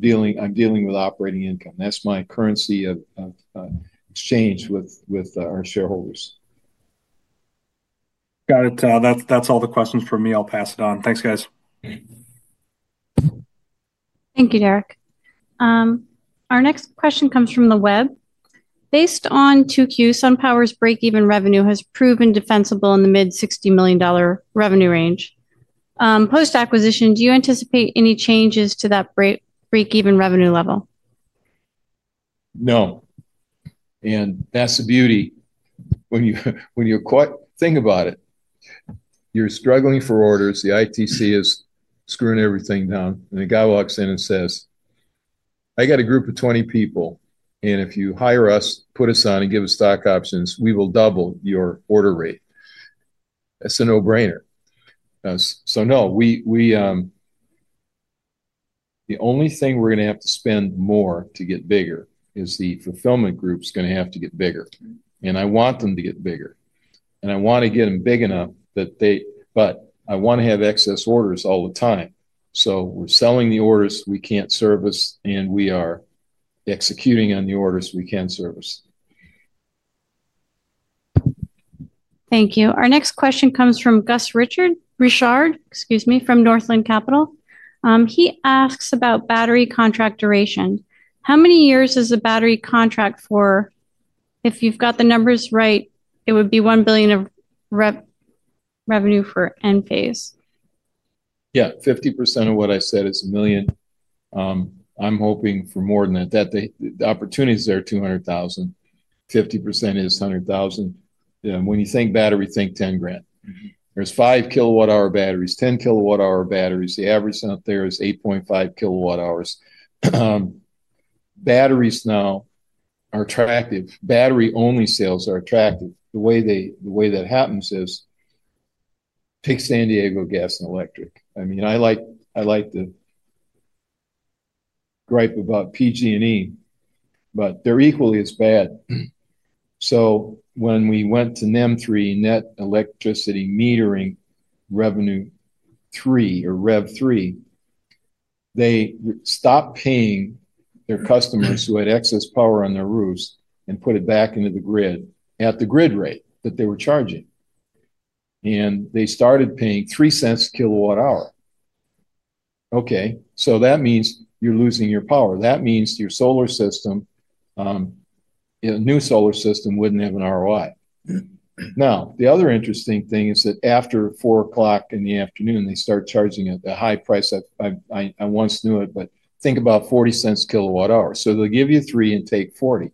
dealing with operating income. That's my currency of exchange with our shareholders. Got it. That's all the questions for me. I'll pass it on. Thanks, guys. Thank you, Derek. Our next question comes from the web. Based on 2Q, SunPower's break-even revenue has proven defensible in the mid-$60 million revenue range. Post-acquisition, do you anticipate any changes to that break-even revenue level? No. That's the beauty. When you're caught, think about it. You're struggling for orders. The ITC is screwing everything down. A guy walks in and says, "I got a group of 20 people. If you hire us, put us on and give us stock options, we will double your order rate." That's a no-brainer. No, the only thing we're going to have to spend more to get bigger is the fulfillment group's going to have to get bigger. I want them to get bigger. I want to get them big enough that they, but I want to have excess orders all the time. We're selling the orders we can't service, and we are executing on the orders we can service. Thank you. Our next question comes from Gus Richard from Northland Capital. He asks about battery contract duration. How many years is the battery contract for? If you've got the numbers right, it would be $1 billion of revenue for Enphase. Yeah, 50% of what I said is a million. I'm hoping for more than that. The opportunity is there, 200,000. 50% is 100,000. When you think battery, think $10,000. There's 5 KW-hour batteries, 10 kWh batteries. The average out there is 8.5 KW-hours. Batteries now are attractive. Battery-only sales are attractive. The way that happens is pick San Diego Gas and Electric. I mean, I like to gripe about PG&E, but they're equally as bad. When we went to NEM3, Net Electricity Metering Revenue III, or Rev III, they stopped paying their customers who had excess power on their roofs and put it back into the grid at the grid rate that they were charging. They started paying $0.03 kWh. That means you're losing your power. That means your solar system, a new solar system, wouldn't have an ROI. The other interesting thing is that after 4:00 P.M., they start charging at the high price. I once knew it, but think about $0.40 kWh. They'll give you $0.03 kWh and take $0.40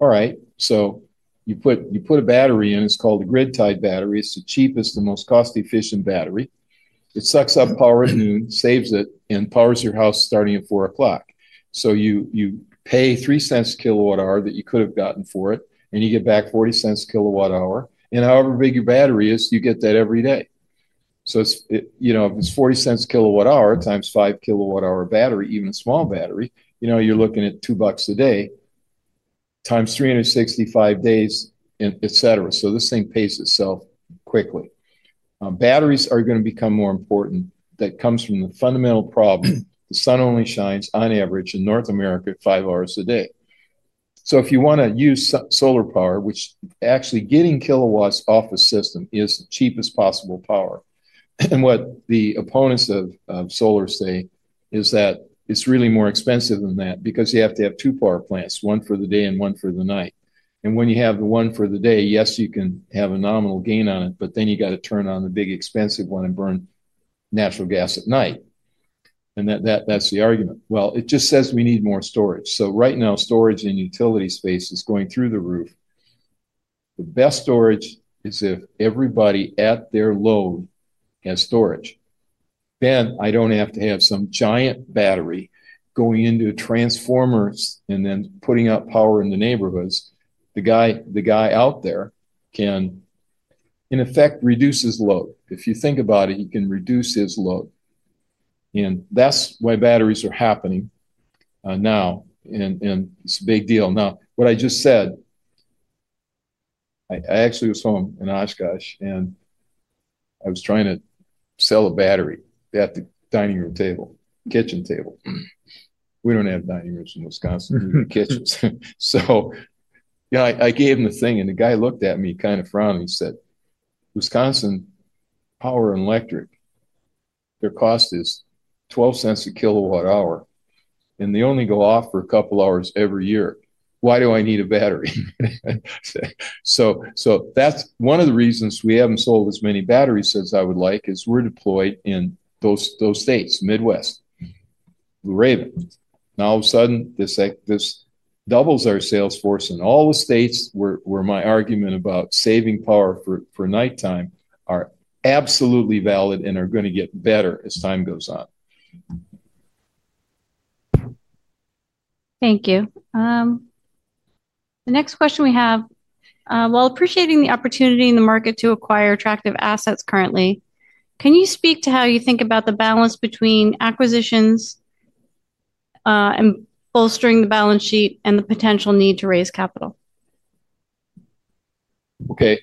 kWh. You put a battery in. It's called a grid-tied battery. It's the cheapest and most cost-efficient battery. It sucks up power at noon, saves it, and powers your house starting at 4:00 P.M. You pay $0.03 kWh that you could have gotten for it, and you get back $0.40 kWh However big your battery is, you get that every day. If it's $0.40 kWh times a 5 kWh battery, even a small battery, you're looking at $2 a day times 365 days, etc. This thing pays itself quickly. Batteries are going to become more important. That comes from the fundamental problem. The sun only shines, on average, in North America 5 hours a day. If you want to use solar power, which actually getting kilowatts off the system is the cheapest possible power. What the opponents of solar say is that it's really more expensive than that because you have to have two power plants, one for the day and one for the night. When you have the one for the day, yes, you can have a nominal gain on it, but then you got to turn on the big expensive one and burn natural gas at night. That's the argument. It just says we need more storage. Right now, storage in utility space is going through the roof. The best storage is if everybody at their load has storage. I do not have to have some giant battery going into a transformer and then putting up power in the neighborhoods. The guy out there can, in effect, reduce his load. If you think about it, he can reduce his load. That is why batteries are happening now, and it is a big deal. What I just said, I actually was home in Oshkosh, and I was trying to sell a battery at the dining room table, kitchen table. We do not have dining rooms in Wisconsin. We have kitchens. I gave him the thing, and the guy looked at me kind of frowning. He said, "Wisconsin Power and Electric, their cost is $0.12 kWh, and they only go off for a couple of hours every year. Why do I need a battery?" That is one of the reasons we have not sold as many batteries as I would like is we are deployed in those states, Midwest, Blue Raven. All of a sudden, this doubles our sales force, and all the states where my argument about saving power for nighttime are absolutely valid and are going to get better as time goes on. Thank you. The next question we have, while appreciating the opportunity in the market to acquire attractive assets currently, can you speak to how you think about the balance between acquisitions and bolstering the balance sheet and the potential need to raise capital? Okay.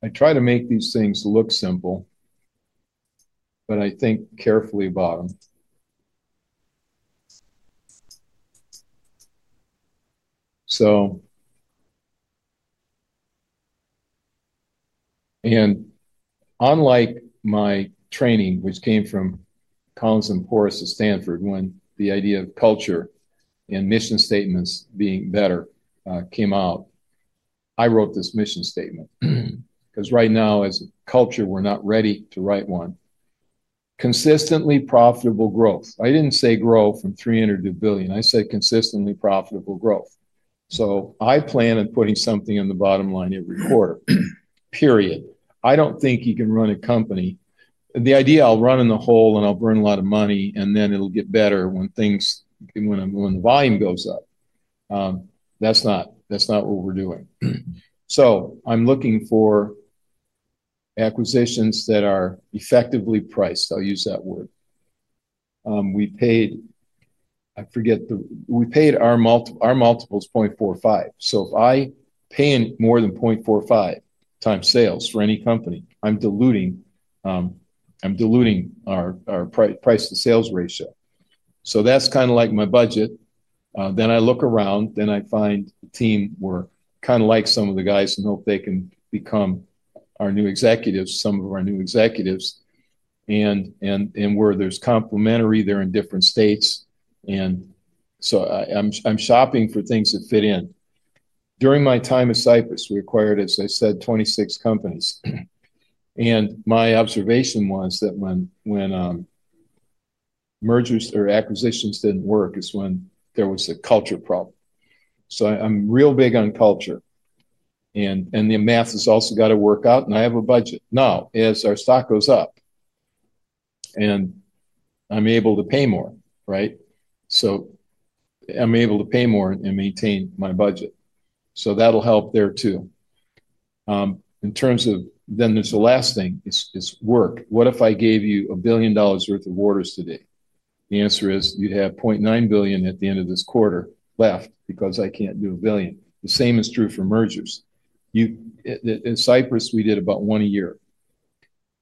I try to make these things look simple, but I think carefully about them. Unlike my training, which came from Collins and Porras at Stanford, when the idea of culture and mission statements being better came out, I wrote this mission statement because right now, as a culture, we're not ready to write one. Consistently profitable growth. I didn't say grow from $300 million-$1 billion. I said consistently profitable growth. I plan on putting something in the bottom line every quarter. Period. I don't think you can run a company. The idea I'll run in the hole and I'll burn a lot of money, and then it'll get better when the volume goes up. That's not what we're doing. I'm looking for acquisitions that are effectively priced. I'll use that word. We paid, I forget the, we paid our multiples 0.45. If I pay more than 0.45x sales for any company, I'm diluting our price-to-sales ratio. That's kind of like my budget. I look around, then I find a team where kind of like some of the guys and hope they can become our new executives, some of our new executives, and where there's complementary, they're in different states. I'm shopping for things that fit in. During my time at Cypress, we acquired, as I said, 26 companies. My observation was that when mergers or acquisitions didn't work, it's when there was a culture problem. I'm real big on culture. The math has also got to work out, and I have a budget. Now, as our stock goes up, I'm able to pay more, right? I'm able to pay more and maintain my budget. That'll help there too. In terms of, then there's the last thing, is work. What if I gave you $1 billion worth of orders today? The answer is you'd have $0.9 billion at the end of this quarter left because I can't do $1 billion. The same is true for mergers. In Cypress, we did about one a year.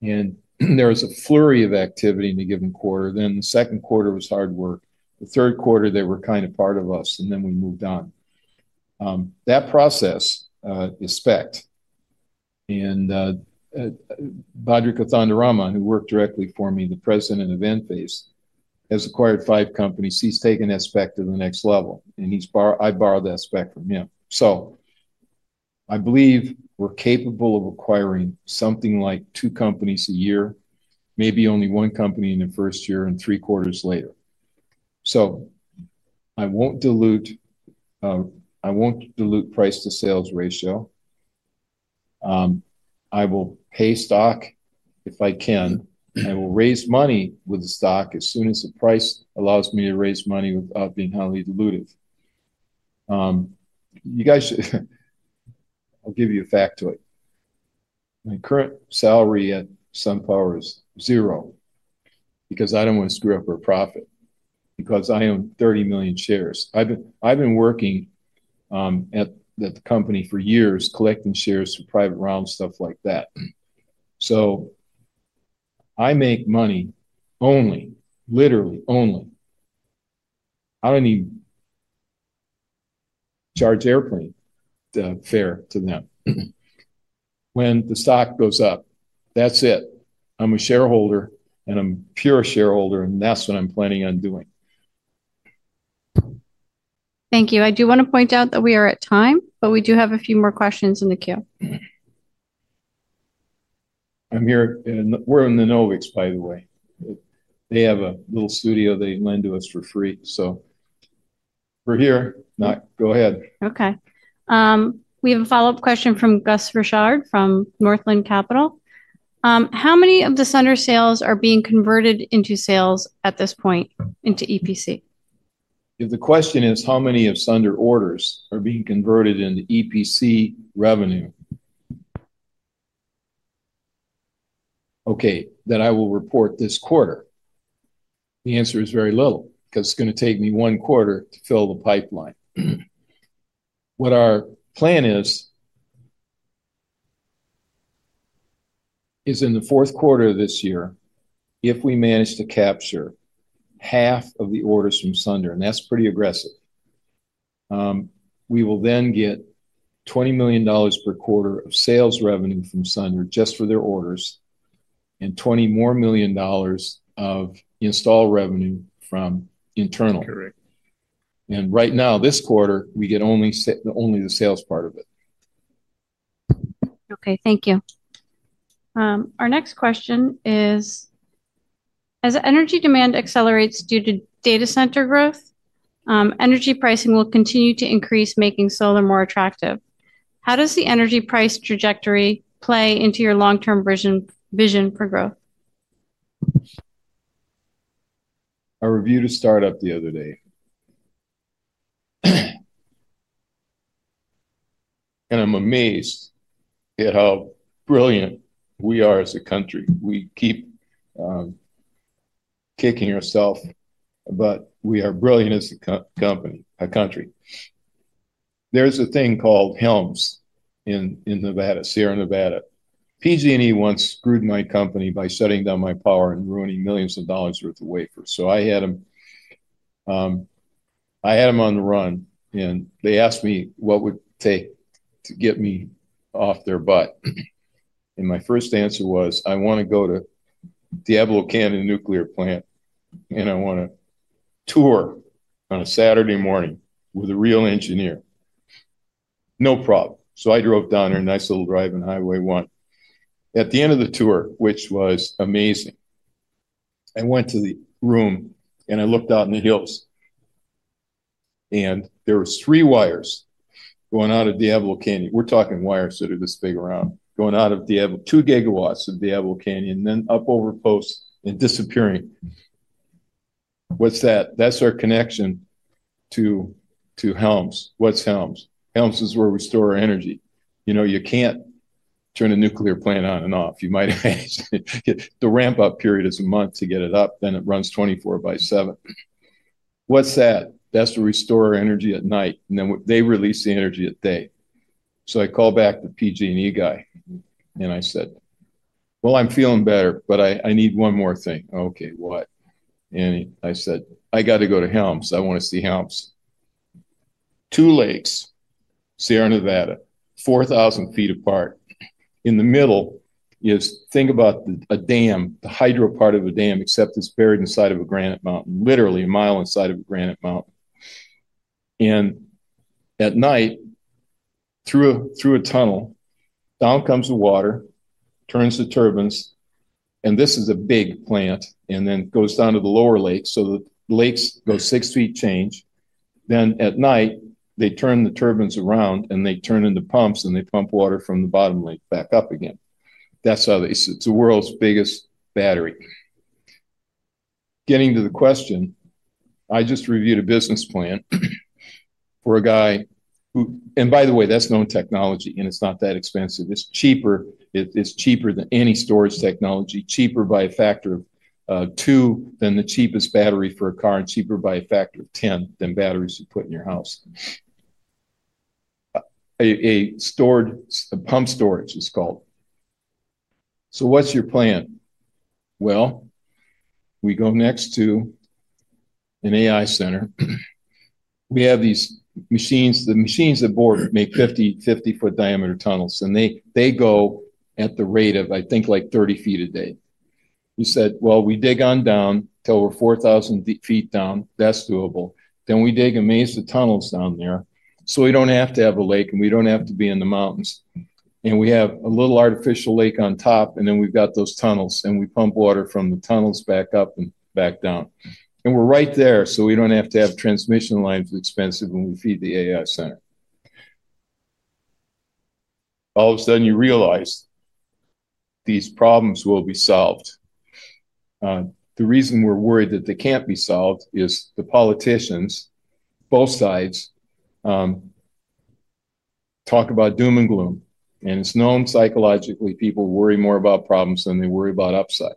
There was a flurry of activity in a given quarter. The second quarter was hard work. The third quarter, they were kind of part of us, and then we moved on. That process is specced. Badri Kothandaraman, who worked directly for me, the President of Enphase, has acquired five companies. He's taken that spec to the next level. I borrowed that spec from him. I believe we're capable of acquiring something like two companies a year, maybe only one company in the first year and three quarters later. I won't dilute price-to-sales ratio. I will pay stock if I can. I will raise money with the stock as soon as the price allows me to raise money without being highly diluted. You guys, I'll give you a factoid. My current salary at SunPower is zero because I don't want to screw up our profit because I own 30 million shares. I've been working at the company for years, collecting shares for private rounds, stuff like that. I make money only, literally only. I don't even charge airplane fare to them. When the stock goes up, that's it. I'm a shareholder, and I'm a pure shareholder, and that's what I'm planning on doing. Thank you. I do want to point out that we are at time, but we do have a few more questions in the queue. We're in the Novics, by the way. They have a little studio they lend to us for free, so we're here. Go ahead. Okay. We have a follow-up question from Gus Richard from Northland Capital. How many of the Sunder sales are being converted into sales at this point into EPC? If the question is how many of Sunder orders are being converted into EPC revenue, okay, then I will report this quarter. The answer is very low. Because it's going to take me one quarter to fill the pipeline. What our plan is, is in the fourth quarter of this year, if we manage to capture half of the orders from Sunder, and that's pretty aggressive, we will then get $20 million per quarter of sales revenue from Sunder just for their orders, and $20 million more of install revenue from internal. Right now, this quarter, we get only the sales part of it. Okay, thank you. Our next question is, as energy demand accelerates due to data center growth, energy pricing will continue to increase, making solar more attractive. How does the energy price trajectory play into your long-term vision for growth? I reviewed a startup the other day. I'm amazed at how brilliant we are as a country. We keep kicking ourselves, but we are brilliant as a country. There's a thing called Helms in Nevada, Sierra Nevada. PG&E once screwed my company by shutting down my power and ruining millions of dollars' worth of wafers. I had them on the run. They asked me what it would take to get me off their butt. My first answer was, I want to go to Diablo Canyon Nuclear Plant. I want a tour on a Saturday morning with a real engineer. No problem. I drove down there, a nice little drive on Highway 1. At the end of the tour, which was amazing, I went to the room, and I looked out in the hills. There were three wires going out of Diablo Canyon. We're talking wires that are this big around, going out of Diablo Canyon, 2 GW of Diablo Canyon, and then up over posts and disappearing. What's that? That's our connection to Helms. What's Helms? Helms is where we store our energy. You know, you can't turn a nuclear plant on and off. You might have to get the ramp-up period is a month to get it up. Then it runs 24 by 7. What's that? That's where we store our energy at night. They release the energy at day. I called back the PG&E guy. I said, I'm feeling better, but I need one more thing. Oh, okay, what? I said, I got to go to Helms. I want to see Helms. Two lakes, Sierra Nevada, 4,000 ft apart. In the middle is, think about a dam, the hydro part of a dam, except it's buried inside of a granite mountain, literally a mile inside of a granite mountain. At night, through a tunnel, down comes the water, turns the turbines. This is a big plant. Then it goes down to the lower lake. The lakes go six feet change. At night, they turn the turbines around, and they turn into pumps, and they pump water from the bottom lake back up again. That's how they see it. It's the world's biggest battery. Getting to the question, I just reviewed a business plan for a guy who, and by the way, that's known technology, and it's not that expensive. It's cheaper. It's cheaper than any storage technology, cheaper by a factor of two than the cheapest battery for a car, and cheaper by a factor of 10 than batteries you put in your house. A storage, a pump storage is called. What's your plan? We go next to an AI center. We have these machines. The machines that board make 50-ft diameter tunnels. They go at the rate of, I think, like 30 ft a day. We said we dig on down till we're 4,000 ft down that's doable. We dig amazing tunnels down there, so we don't have to have a lake, and we don't have to be in the mountains. We have a little artificial lake on top, and then we've got those tunnels. We pump water from the tunnels back up and back down, and we're right there. We don't have to have transmission lines expensive when we feed the AI center. All of a sudden, you realize these problems will be solved. The reason we're worried that they can't be solved is the politicians, both sides, talk about doom and gloom. It's known psychologically, people worry more about problems than they worry about upside.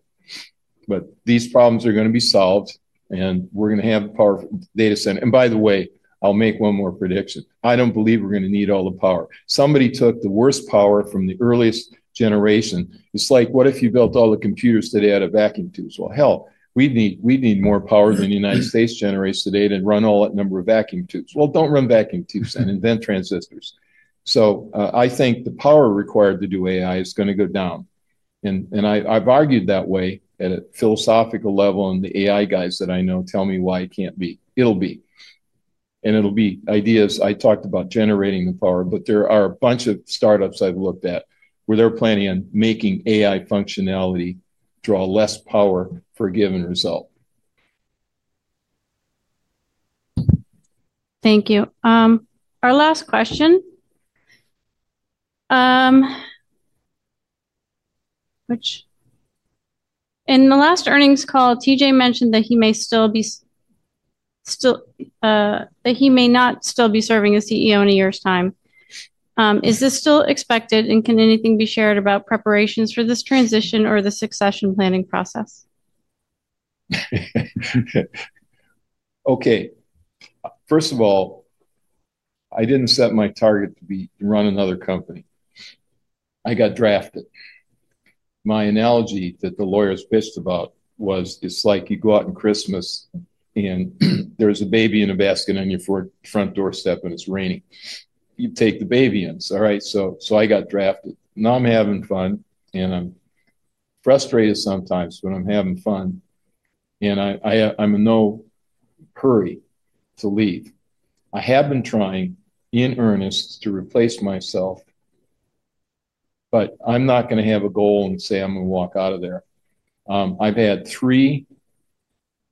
These problems are going to be solved. We're going to have the powerful data center. By the way, I'll make one more prediction. I don't believe we're going to need all the power. Somebody took the worst power from the earliest generation. It's like, what if you built all the computers today out of vacuum tubes? Hell, we'd need more power than the United States generates today to run all that number of vacuum tubes. Don't run vacuum tubes and invent transistors. I think the power required to do AI is going to go down. I've argued that way at a philosophical level, and the AI guys that I know tell me why it can't be. It'll be, and it'll be ideas. I talked about generating the power, but there are a bunch of startups I've looked at where they're planning on making AI functionality draw less power for a given result. Thank you. Our last question. In the last earnings call, Dr. T.J. Rodgers mentioned that he may still be serving as CEO in a year's time. Is this still expected? Can anything be shared about preparations for this transition or the succession planning process? Okay. First of all, I didn't set my target to run another company. I got drafted. My analogy that the lawyers bitched about was, it's like you go out on Christmas, and there's a baby in a basket on your front doorstep, and it's raining. You take the baby in. All right. I got drafted. Now I'm having fun. I'm frustrated sometimes, but I'm having fun. I'm in no hurry to leave. I have been trying in earnest to replace myself. I'm not going to have a goal and say I'm going to walk out of there. I've had three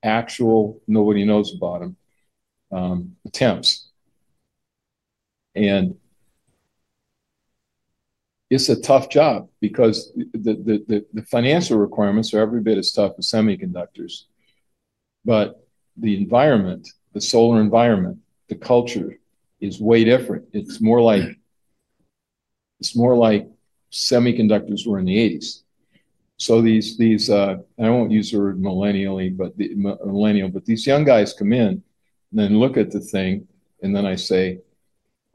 actual nobody knows about them attempts. It's a tough job because the financial requirements are every bit as tough as semiconductors. The environment, the solar environment, the culture is way different. It's more like semiconductors were in the 1980s. These, and I won't use the word millennially, but the millennial, but these young guys come in and then look at the thing. I say,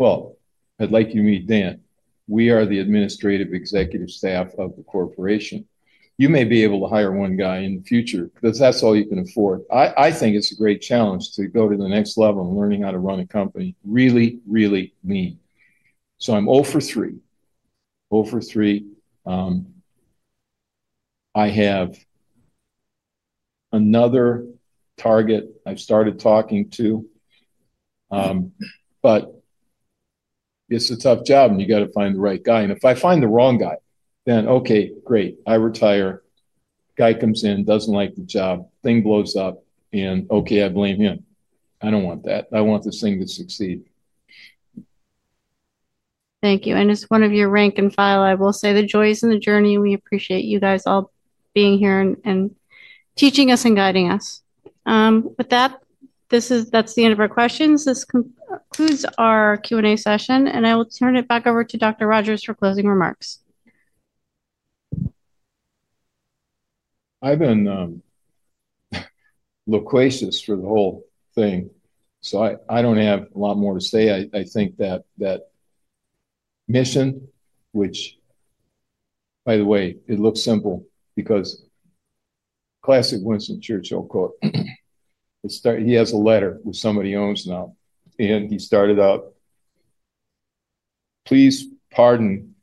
I'd like you to meet Dan. We are the administrative executive staff of the corporation. You may be able to hire one guy in the future because that's all you can afford. I think it's a great challenge to go to the next level in learning how to run a company, really, really mean. I'm 0 for 3. 0 for 3. I have another target I've started talking to. It's a tough job. You got to find the right guy. If I find the wrong guy, then, okay, great. I retire. Guy comes in, doesn't like the job, thing blows up. Okay, I blame him. I don't want that. I want this thing to succeed. Thank you. As one of your rank and file, I will say the joy is in the journey. We appreciate you guys all being here and teaching us and guiding us. With that, that's the end of our questions. This concludes our Q&A session. I will turn it back over to Dr. T.J. Rodgers for closing remarks. I've been loquacious for the whole thing. I don't have a lot more to say. I think that mission, which, by the way, looks simple because classic Winston Churchill quote, he has a letter which somebody owns now. He started out, please pardon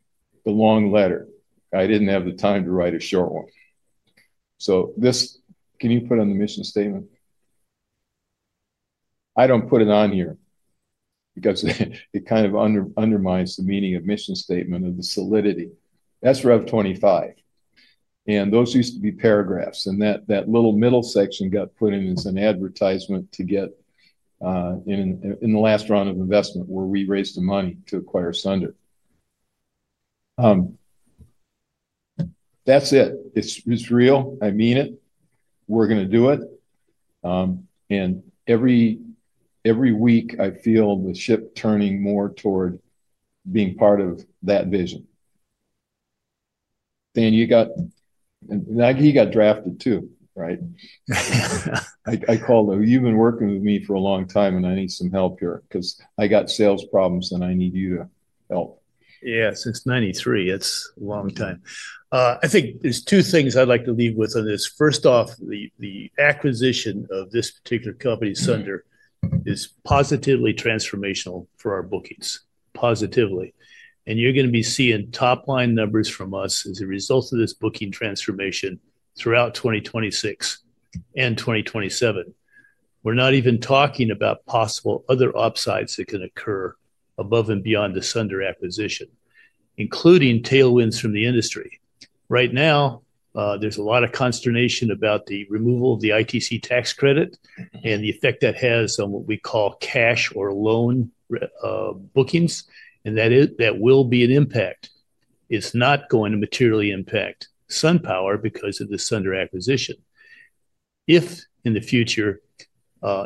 the long letter. I didn't have the time to write a short one. Can you put on the mission statement? I don't put it on here because it kind of undermines the meaning of mission statement of the solidity. That's Rev. 25. Those used to be paragraphs. That little middle section got put in as an advertisement to get in the last round of investment where we raised the money to acquire Sunder. That's it. It's real. I mean it. We're going to do it. Every week, I feel the ship turning more toward being part of that vision. Dan, you got, and he got drafted too, right? I called, you've been working with me for a long time. I need some help here because I got sales problems. I need you to help. Yes, since 1993. That's a long time. I think there's two things I'd like to leave with on this. First off, the acquisition of this particular company, Sunder, is positively transformational for our bookings, positively. You're going to be seeing top-line numbers from us as a result of this booking transformation throughout 2026 and 2027. We're not even talking about possible other upsides that can occur above and beyond the Sunder acquisition, including tailwinds from the industry. Right now, there's a lot of consternation about the removal of the ITC tax credit and the effect that has on what we call cash or loan bookings. That will be an impact. It's not going to materially impact SunPower because of the Sunder acquisition. If in the future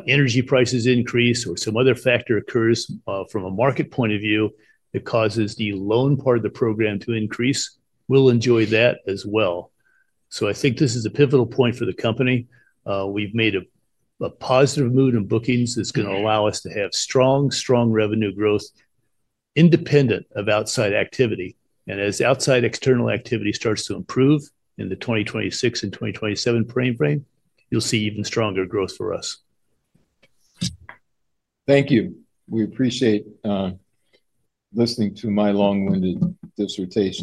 energy prices increase or some other factor occurs from a market point of view that causes the loan part of the program to increase, we'll enjoy that as well. I think this is a pivotal point for the company. We've made a positive move in bookings that's going to allow us to have strong, strong revenue growth independent of outside activity. As outside external activity starts to improve in the 2026 and 2027 timeframe, you'll see even stronger growth for us. Thank you. We appreciate listening to my long-winded dissertation.